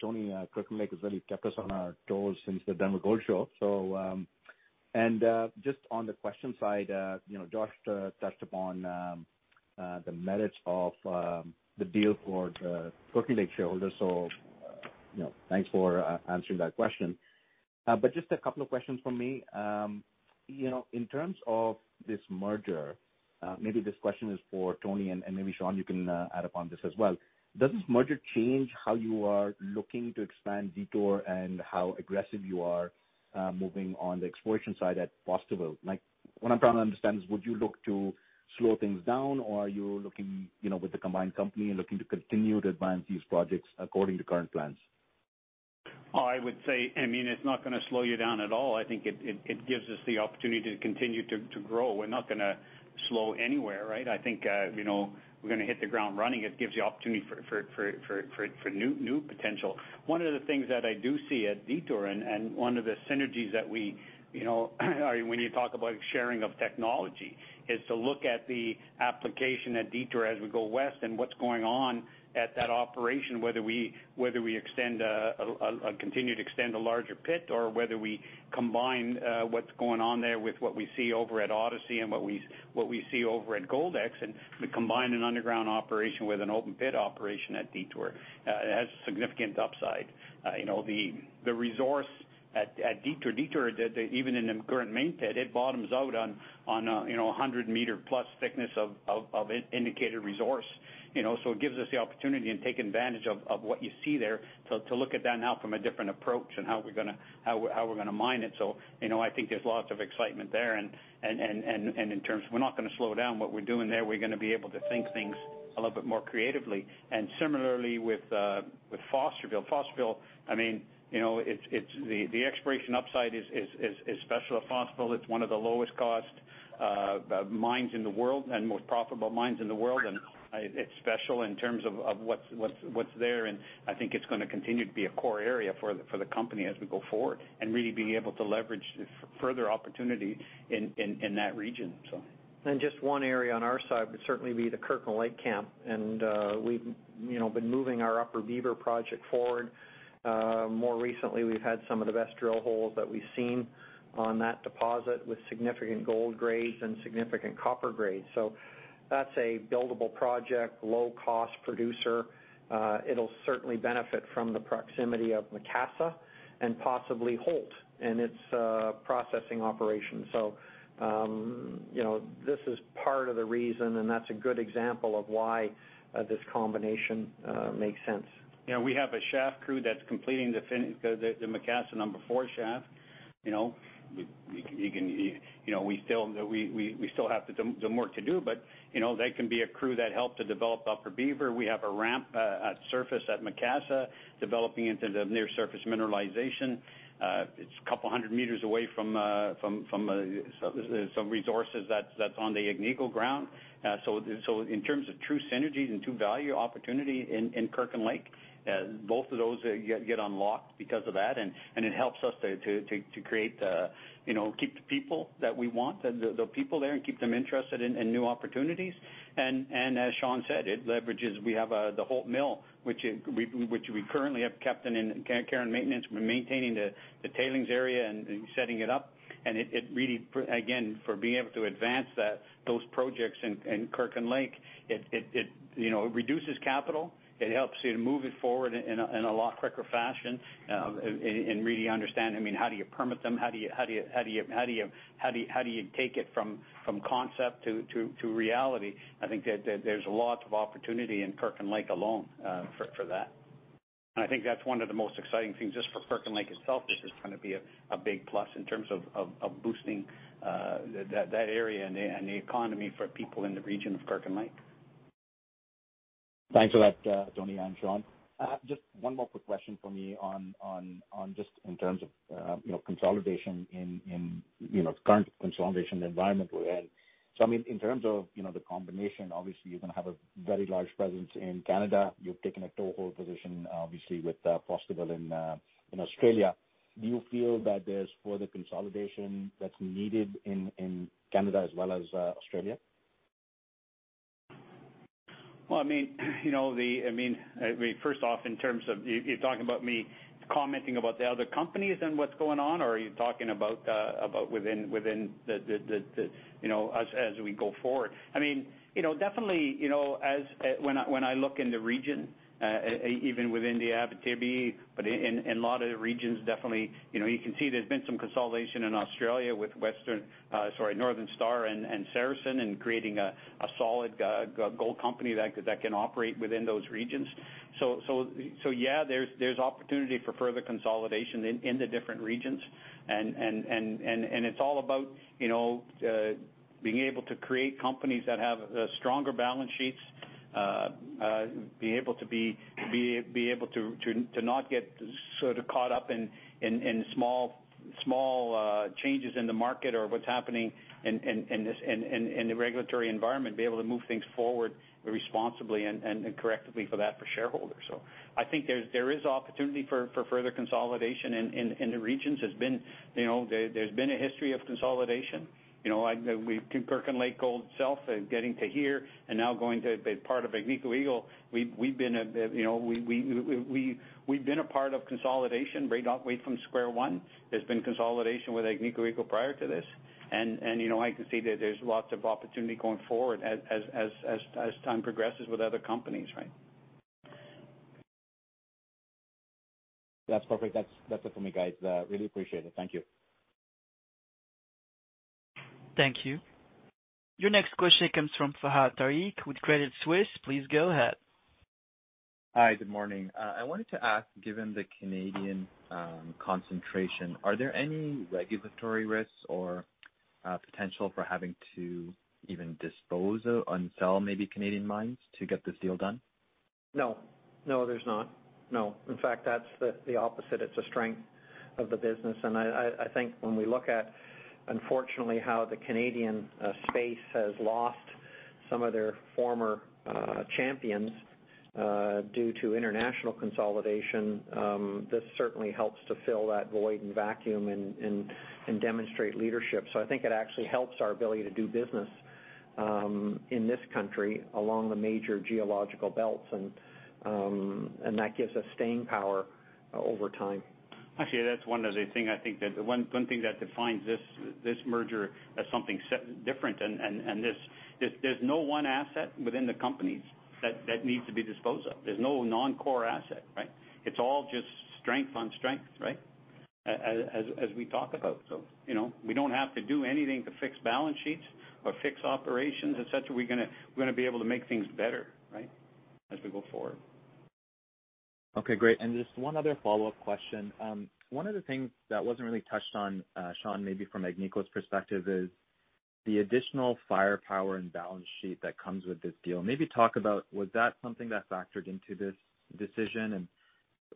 Tony, Kirkland Lake has really kept us on our toes since the Denver Gold Show. Just on the question side, Josh touched upon the merits of the deal for the Kirkland Lake shareholders. Thanks for answering that question. Just a couple of questions from me. In terms of this merger, maybe this question is for Tony, and maybe Sean, you can add upon this as well. Does this merger change how you are looking to expand Detour and how aggressive you are moving on the exploration side at Fosterville? What I'm trying to understand is, would you look to slow things down or are you, with the combined company, looking to continue to advance these projects according to current plans? I would say, it's not going to slow you down at all. I think it gives us the opportunity to continue to grow. We're not going to slow anywhere, right? I think we're going to hit the ground running. It gives the opportunity for new potential. One of the things that I do see at Detour, and one of the synergies that we, when you talk about sharing of technology, is to look at the application at Detour as we go west and what's going on at that operation, whether we continue to extend a larger pit or whether we combine what's going on there with what we see over at Odyssey and what we see over at Goldex, and we combine an underground operation with an open pit operation at Detour. It has significant upside. The resource at Detour, even in the current main pit, it bottoms out on 100-meter-plus thickness of indicated resource. It gives us the opportunity and taking advantage of what you see there to look at that now from a different approach and how we're going to mine it. I think there's lots of excitement there. In terms, we're not going to slow down what we're doing there. We're going to be able to think things a little bit more creatively. Similarly with Fosterville. Fosterville, the exploration upside is special at Fosterville. It's one of the lowest cost mines in the world and most profitable mines in the world, and it's special in terms of what's there, and I think it's going to continue to be a core area for the company as we go forward and really be able to leverage further opportunity in that region. Just one area on our side would certainly be the Kirkland Lake camp. We've been moving our Upper Beaver project forward. More recently, we've had some of the best drill holes that we've seen on that deposit with significant gold grades and significant copper grades. That's a buildable project, low-cost producer. It'll certainly benefit from the proximity of Macassa and possibly Holt and its processing operation. This is part of the reason, and that's a good example of why this combination makes sense. We have a shaft crew that's completing the Macassa number four shaft. We still have the work to do, but that can be a crew that helped to develop Upper Beaver. We have a ramp at surface at Macassa developing into the near surface mineralization. It's a couple hundred meters away from some resources that's on the Agnico ground. In terms of true synergies and true value opportunity in Kirkland Lake, both of those get unlocked because of that, and it helps us to keep the people that we want, the people there, and keep them interested in new opportunities. As Sean said, it leverages, we have the Holt mill, which we currently have kept in care and maintenance. We're maintaining the tailings area and setting it up. It really, again, for being able to advance those projects in Kirkland Lake, it reduces capital. It helps you to move it forward in a lot quicker fashion, really understand how do you permit them, how do you take it from concept to reality. I think that there's lots of opportunity in Kirkland Lake alone for that. I think that's one of the most exciting things, just for Kirkland Lake itself. This is going to be a big plus in terms of boosting that area and the economy for people in the region of Kirkland Lake. Thanks for that, Tony and Sean. Just one more quick question from me just in terms of current consolidation environment we're in. In terms of the combination, obviously, you're going to have a very large presence in Canada. You've taken a toehold position, obviously, with Fosterville in Australia. Do you feel that there's further consolidation that's needed in Canada as well as Australia? Well, first off, in terms of, you're talking about me commenting about the other companies and what's going on, or are you talking about within us as we go forward? Definitely, when I look in the region, even within the Abitibi, but in a lot of the regions, definitely, you can see there's been some consolidation in Australia with Northern Star and Saracen in creating a solid gold company that can operate within those regions. Yes, there's opportunity for further consolidation in the different regions, and it's all about being able to create companies that have stronger balance sheets, being able to not get sort of caught up in small changes in the market or what's happening in the regulatory environment, and being able to move things forward responsibly and correctly for shareholders. I think there is opportunity for further consolidation in the regions. There's been a history of consolidation. Kirkland Lake Gold itself, getting to here, and now going to be part of Agnico Eagle, we've been a part of consolidation right from square one. There's been consolidation with Agnico Eagle prior to this. I can see that there's lots of opportunity going forward as time progresses with other companies, right? That's perfect. That's it for me, guys. Really appreciate it. Thank you. Thank you. Your next question comes from Fahad Tariq with Credit Suisse. Please go ahead. Hi. Good morning. I wanted to ask, given the Canadian concentration, are there any regulatory risks or potential for having to even dispose of, and sell maybe Canadian mines to get this deal done? No, there's not. No. In fact, that's the opposite. It's a strength of the business. I think when we look at, unfortunately, how the Canadian space has lost some of their former champions due to international consolidation, this certainly helps to fill that void and vacuum, and demonstrate leadership. I think it actually helps our ability to do business in this country along the major geological belts, and that gives us staying power over time. Actually, that's one of the things, I think that defines this merger as something different. There's no one asset within the companies that needs to be disposed of. There's no non-core asset, right? It's all just strength on strength, right, as we talk about. We don't have to do anything to fix balance sheets or fix operations, et cetera. We're going to be able to make things better, right, as we go forward. Okay, great. Just one other follow-up question. One of the things that wasn't really touched on, Sean, maybe from Agnico's perspective, is the additional firepower and balance sheet that comes with this deal. Maybe talk about, was that something that factored into this decision, and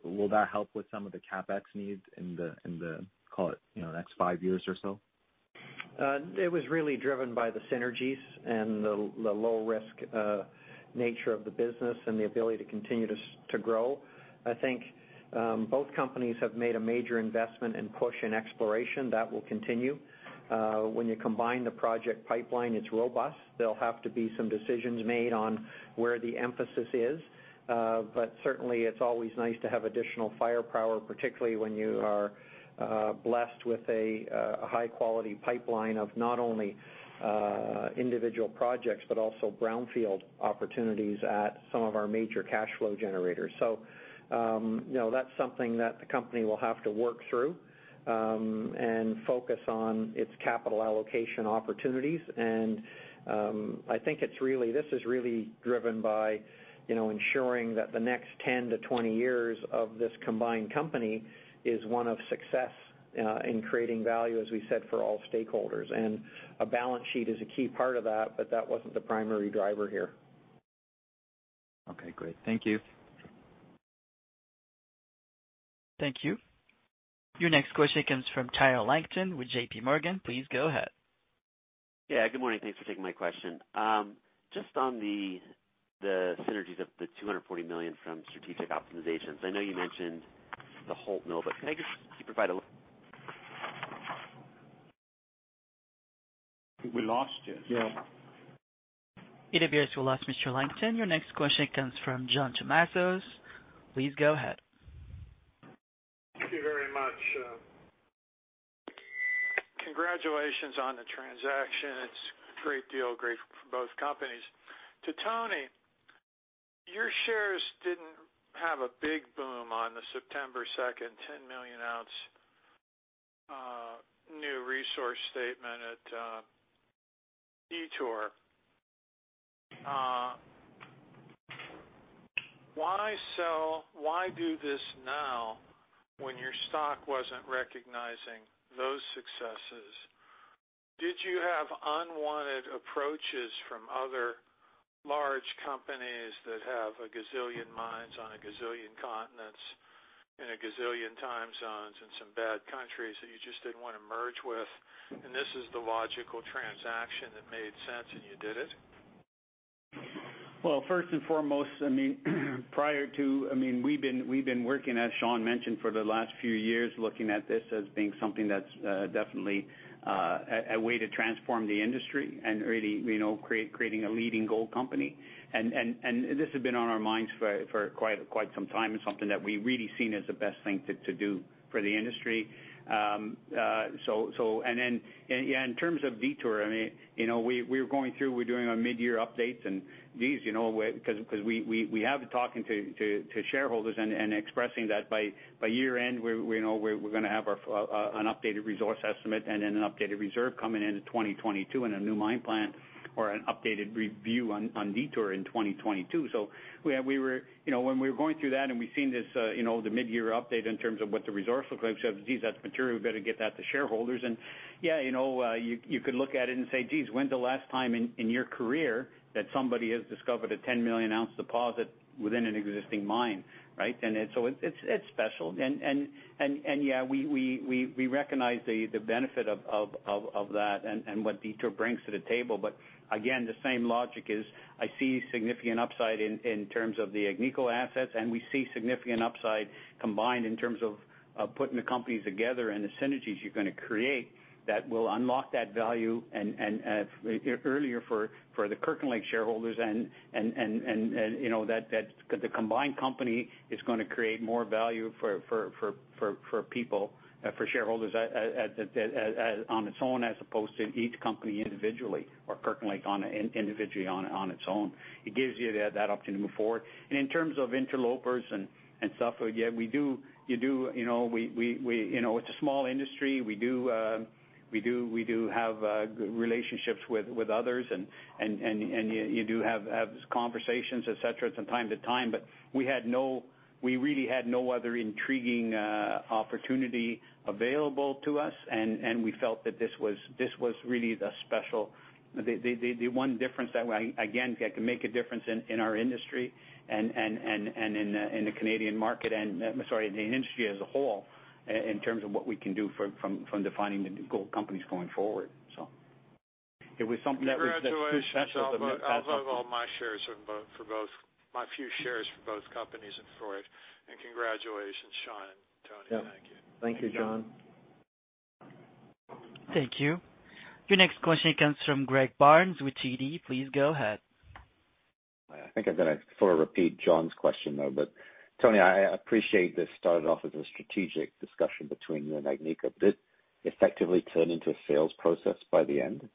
will that help with some of the CapEx needs in the, call it, next five years or so? It was really driven by the synergies and the low risk nature of the business and the ability to continue to grow. I think both companies have made a major investment and push in exploration. That will continue. When you combine the project pipeline, it's robust. There'll have to be some decisions made on where the emphasis is. Certainly, it's always nice to have additional firepower, particularly when you are blessed with a high-quality pipeline of not only individual projects, but also brownfield opportunities at some of our major cash flow generators. That's something that the company will have to work through, and focus on its capital allocation opportunities, and I think this is really driven by ensuring that the next 10-20 years of this combined company is one of success in creating value, as we said, for all stakeholders. A balance sheet is a key part of that, but that wasn't the primary driver here. Okay, great. Thank you. Thank you. Your next question comes from Tyler Langton with JPMorgan. Please go ahead. Yeah, good morning. Thanks for taking my question. On the synergies of the 240 million from strategic optimizations. I know you mentioned the Holt mill. I think we lost you. Yeah. It appears we lost Mr. Langton. Your next question comes from John Tumazos. Please go ahead. Thank you very much. Congratulations on the transaction. It's a great deal, great for both companies. To Tony, your shares didn't have a big boom on the September 2nd, 10 million ounce resource statement at Detour. Why do this now when your stock wasn't recognizing those successes? Did you have unwanted approaches from other large companies that have a gazillion mines on a gazillion continents in a gazillion time zones and some bad countries that you just didn't want to merge with, and this is the logical transaction that made sense, and you did it? First and foremost, we've been working, as Sean mentioned, for the last few years, looking at this as being something that's definitely a way to transform the industry and really creating a leading gold company. This has been on our minds for quite some time and something that we've really seen as the best thing to do for the industry. In terms of Detour, we're going through, we're doing our mid-year updates and these, because we have been talking to shareholders and expressing that by year-end, we're going to have an updated resource estimate and then an updated reserve coming into 2022 and a new mine plan or an updated review on Detour in 2022. When we were going through that and we've seen the mid-year update in terms of what the resource looks like, we said, "Geez, that's material, we better get that to shareholders." You could look at it and say, "Geez, when's the last time in your career that somebody has discovered a 10-million-ounce deposit within an existing mine?" Right? It's special and we recognize the benefit of that and what Detour brings to the table. Again, the same logic is I see significant upside in terms of the Agnico assets, and we see significant upside combined in terms of putting the companies together and the synergies you're going to create that will unlock that value earlier for the Kirkland Lake shareholders and that the combined company is going to create more value for shareholders on its own as opposed to each company individually or Kirkland Lake individually on its own. It gives you that opportunity to move forward. In terms of interlopers and stuff, it's a small industry. We do have relationships with others and you do have conversations, et cetera, from time to time, but we really had no other intriguing opportunity available to us, and we felt that this was really the special, the one difference that, again, can make a difference in our industry and in the Canadian market, and, sorry, in the industry as a whole, in terms of what we can do from defining the gold companies going forward. It was something that was just too special to pass up. Congratulations. I'll move all my few shares for both companies and for it and congratulations, Sean and Tony. Thank you. Thank you, John. Thank you. Your next question comes from Greg Barnes with TD. Please go ahead. I think I'm going to sort of repeat John's question, though, Tony, I appreciate this started off as a strategic discussion between you and Agnico. Did it effectively turn into a sales process by the end?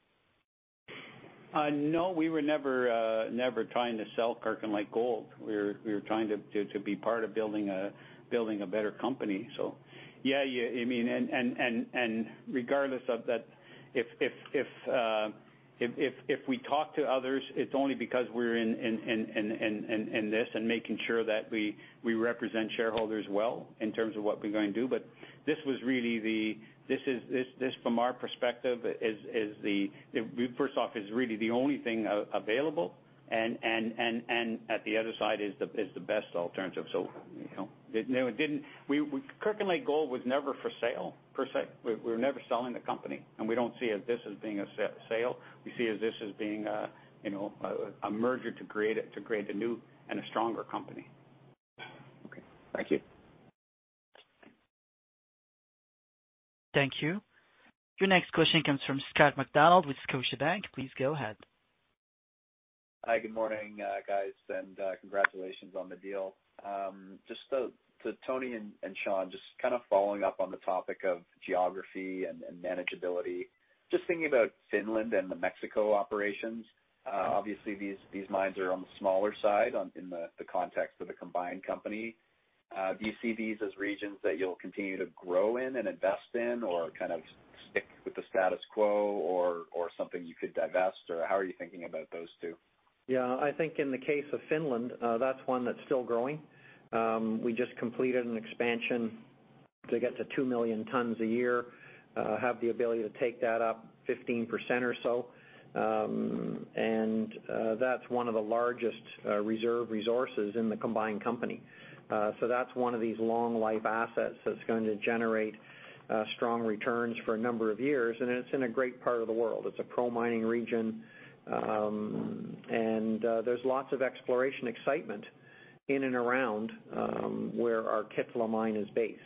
No, we were never trying to sell Kirkland Lake Gold. We were trying to be part of building a better company. Yeah, regardless of that, if we talk to others, it's only because we're in this and making sure that we represent shareholders well in terms of what we're going to do. This from our perspective, first off, is really the only thing available and at the other side is the best alternative. Kirkland Lake Gold was never for sale, per se. We were never selling the company, and we don't see this as being a sale. We see this as being a merger to create a new and a stronger company. Okay. Thank you. Thank you. Your next question comes from Scott Macdonald with Scotiabank. Please go ahead. Hi, good morning, guys, and congratulations on the deal. Just to Tony and Sean, just kind of following up on the topic of geography and manageability, just thinking about Finland and the Mexico operations. Obviously, these mines are on the smaller side in the context of the combined company. Do you see these as regions that you'll continue to grow in and invest in or kind of stick with the status quo or something you could divest, or how are you thinking about those two? Yeah, I think in the case of Finland, that's one that's still growing. We just completed an expansion to get to 2 million tons a year, have the ability to take that up 15% or so. That's one of the largest reserve resources in the combined company. That's one of these long life assets that's going to generate strong returns for a number of years. It's in a great part of the world. It's a pro-mining region. There's lots of exploration excitement in and around where our Kittilä mine is based.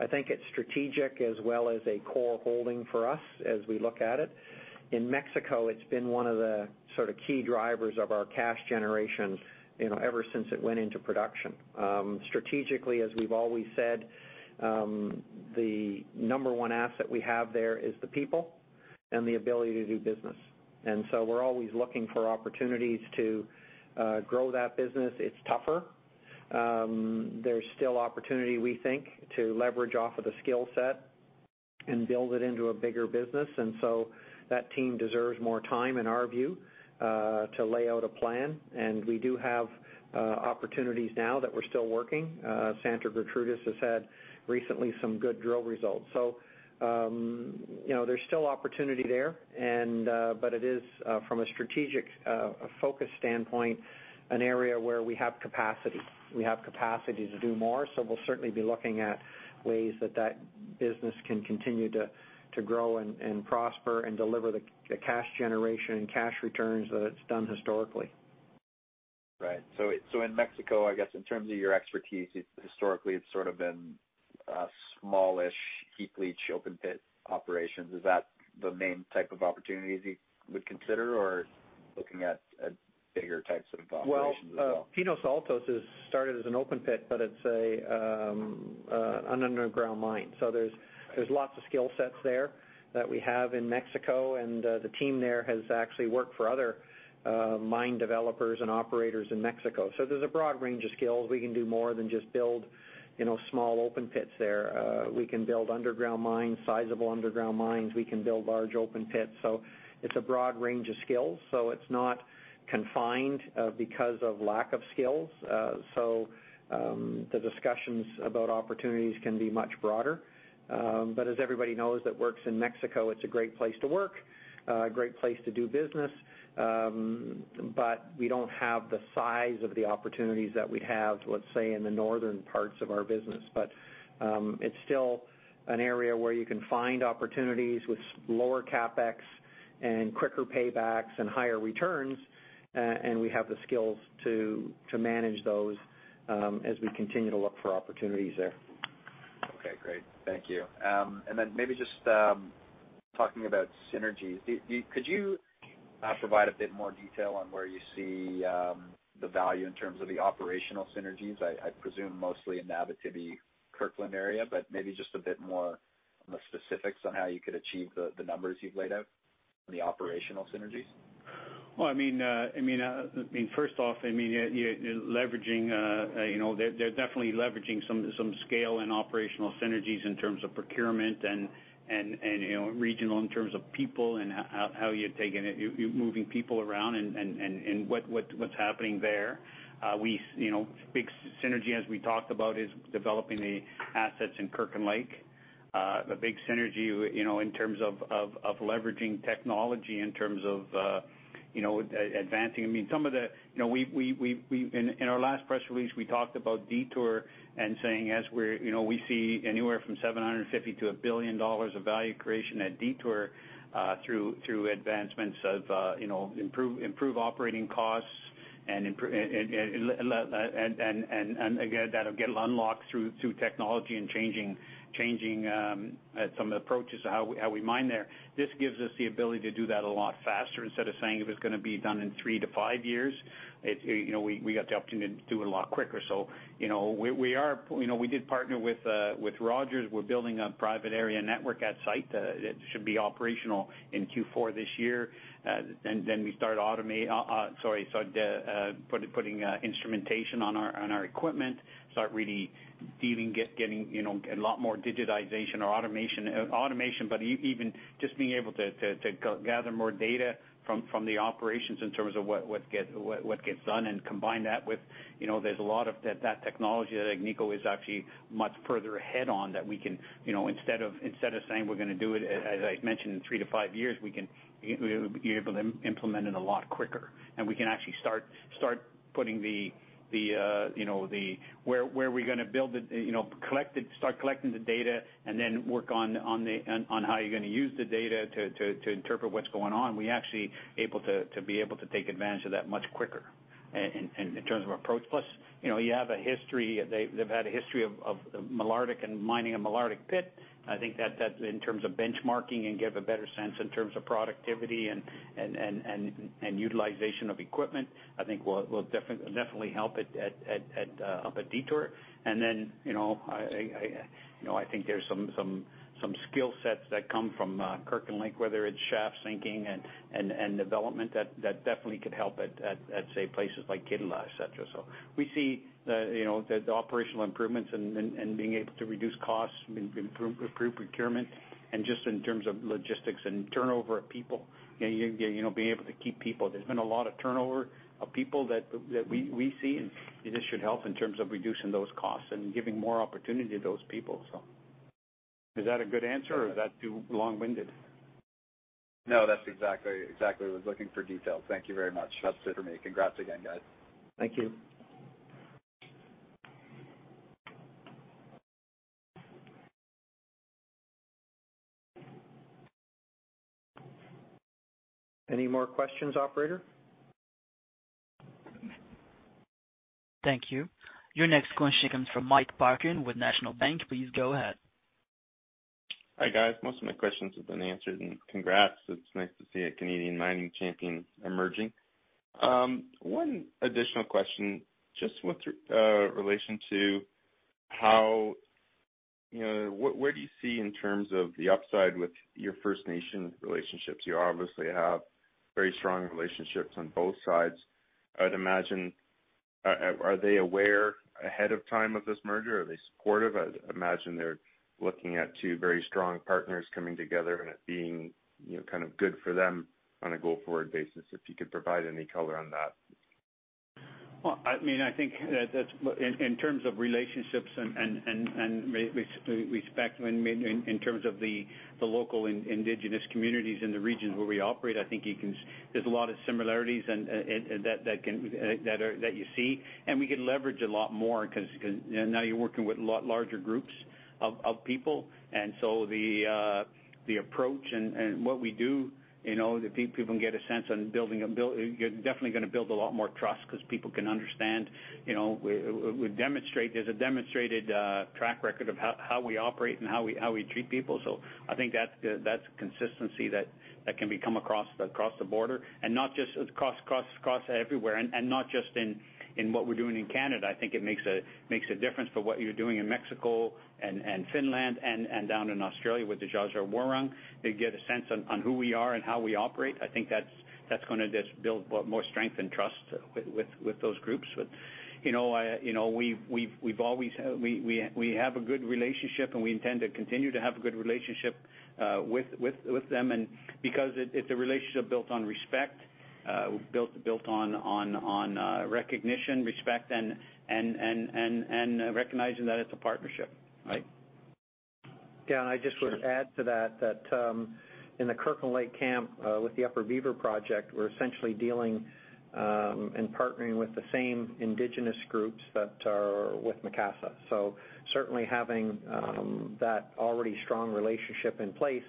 I think it's strategic as well as a core holding for us as we look at it. In Mexico, it's been one of the sort of key drivers of our cash generation ever since it went into production. Strategically, as we've always said, the number one asset we have there is the people and the ability to do business. We're always looking for opportunities to grow that business. It's tougher. There's still opportunity, we think, to leverage off of the skill set and build it into a bigger business. That team deserves more time, in our view, to lay out a plan. We do have opportunities now that we're still working. Santa Gertrudis has had recently some good drill results. There's still opportunity there, but it is from a strategic focus standpoint, an area where we have capacity. We have capacity to do more, so we'll certainly be looking at ways that that business can continue to grow and prosper and deliver the cash generation and cash returns that it's done historically. Right. In Mexico, I guess in terms of your expertise, historically, it's sort of been smallish heap leach open pit operations. Is that the main type of opportunities you would consider, or looking at bigger types of operations as well? Well, Pinos Altos has started as an open pit, but it's an underground mine. There's lots of skill sets there that we have in Mexico, and the team there has actually worked for other mine developers and operators in Mexico. There's a broad range of skills. We can do more than just build small open pits there. We can build underground mines, sizable underground mines. We can build large open pits. It's a broad range of skills, so it's not confined because of lack of skills. The discussions about opportunities can be much broader. As everybody knows that works in Mexico, it's a great place to work, a great place to do business, but we don't have the size of the opportunities that we have, let's say, in the northern parts of our business. It's still an area where you can find opportunities with lower CapEx and quicker paybacks and higher returns, and we have the skills to manage those as we continue to look for opportunities there. Okay, great. Thank you. Maybe just talking about synergies. Could you provide a bit more detail on where you see the value in terms of the operational synergies? I presume mostly in the Abitibi, Kirkland area, but maybe just a bit more specifics on how you could achieve the numbers you've laid out on the operational synergies. First off, they're definitely leveraging some scale and operational synergies in terms of procurement and regional, in terms of people and how you're moving people around and what's happening there. Big synergy, as we talked about, is developing the assets in Kirkland Lake. A big synergy in terms of leveraging technology, in terms of advancing. In our last press release, we talked about Detour and saying, we see anywhere from 750 million-1 billion dollars of value creation at Detour, through advancements of improved operating costs and again, that'll get unlocked through technology and changing some of the approaches to how we mine there. This gives us the ability to do that a lot faster. Instead of saying if it's going to be done in three to five years, we got the opportunity to do it a lot quicker. We did partner with Rogers. We're building a private area network at site that should be operational in Q4 this year. We start putting instrumentation on our equipment, start really getting a lot more digitization or automation. Even just being able to gather more data from the operations in terms of what gets done and combine that with, there's a lot of that technology that Agnico is actually much further ahead on that we can, instead of saying we're going to do it, as I mentioned, in three to five years, we are able to implement it a lot quicker and we can actually start putting the, where are we going to build it, start collecting the data, and then work on how you're going to use the data to interpret what's going on. We actually able to take advantage of that much quicker in terms of approach. They've had a history of Malartic and mining at Malartic pit. I think that in terms of benchmarking and give a better sense in terms of productivity and utilization of equipment, I think will definitely help up at Detour. I think there's some skill sets that come from Kirkland Lake, whether it's shaft sinking and development that definitely could help at, say, places like Kittilä, et cetera. We see the operational improvements and being able to reduce costs, improve procurement, and just in terms of logistics and turnover of people, being able to keep people. There's been a lot of turnover of people that we see, and this should help in terms of reducing those costs and giving more opportunity to those people. Is that a good answer or is that too long-winded? No, that's exactly. I was looking for details. Thank you very much. That's it for me. Congrats again, guys. Thank you. Any more questions, Operator? Thank you. Your next question comes from Mike Parkin with National Bank. Please go ahead. Hi, guys. Most of my questions have been answered. Congrats. It's nice to see a Canadian mining champion emerging. One additional question, just with relation to- Where do you see in terms of the upside with your First Nation relationships? You obviously have very strong relationships on both sides. Are they aware ahead of time of this merger? Are they supportive? I'd imagine they're looking at two very strong partners coming together and it being good for them on a go-forward basis. If you could provide any color on that. Well, I think that in terms of relationships and respect, in terms of the local indigenous communities in the regions where we operate, I think there's a lot of similarities that you see, and we can leverage a lot more because now you're working with a lot larger groups of people. The approach and what we do, people can get a sense on building. You're definitely going to build a lot more trust because people can understand, there's a demonstrated track record of how we operate and how we treat people. I think that's consistency that can come across the border, across everywhere, and not just in what we're doing in Canada. I think it makes a difference for what you're doing in Mexico and Finland and down in Australia with the Dja Dja Wurrung. They get a sense on who we are and how we operate. I think that's going to just build more strength and trust with those groups. We have a good relationship, and we intend to continue to have a good relationship with them because it's a relationship built on respect, built on recognition, respect, and recognizing that it's a partnership. Right? I just would add to that in the Kirkland Lake camp, with the Upper Beaver Project, we're essentially dealing and partnering with the same indigenous groups that are with Macassa. Certainly having that already strong relationship in place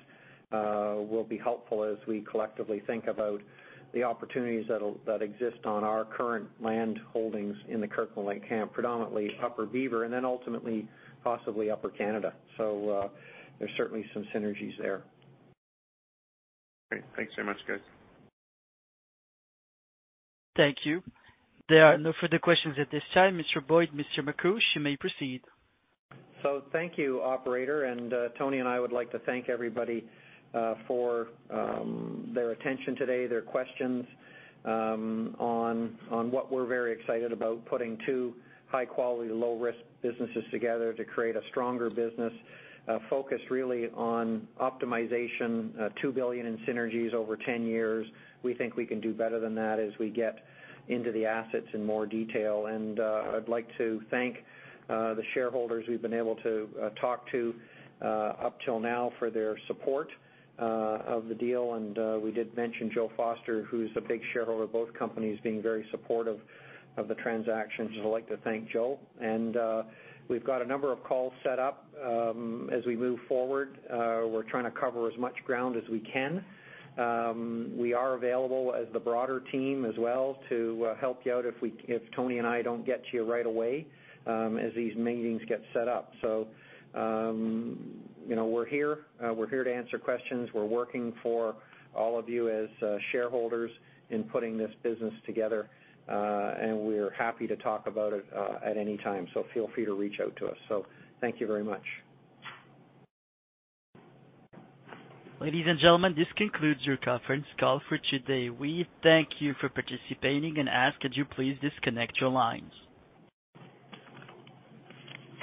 will be helpful as we collectively think about the opportunities that exist on our current land holdings in the Kirkland Lake camp, predominantly Upper Beaver, and then ultimately possibly Upper Canada. There's certainly some synergies there. Great. Thanks so much, guys. Thank you. There are no further questions at this time. Mr. Boyd, Mr. Makuch, you may proceed. Thank you, operator. Tony and I would like to thank everybody for their attention today, their questions on what we're very excited about, putting two high quality, low risk businesses together to create a stronger business focused really on optimization, 2 billion in synergies over 10 years. We think we can do better than that as we get into the assets in more detail. I'd like to thank the shareholders we've been able to talk to up till now for their support of the deal. We did mention Joe Foster, who's a big shareholder of both companies, being very supportive of the transaction. I'd like to thank Joe, and we've got a number of calls set up as we move forward. We're trying to cover as much ground as we can. We are available as the broader team as well to help you out if Tony and I don't get to you right away as these meetings get set up. We're here. We're here to answer questions. We're working for all of you as shareholders in putting this business together. We're happy to talk about it at any time. Feel free to reach out to us. Thank you very much. Ladies and gentlemen, this concludes your conference call for today. We thank you for participating and ask, could you please disconnect your lines.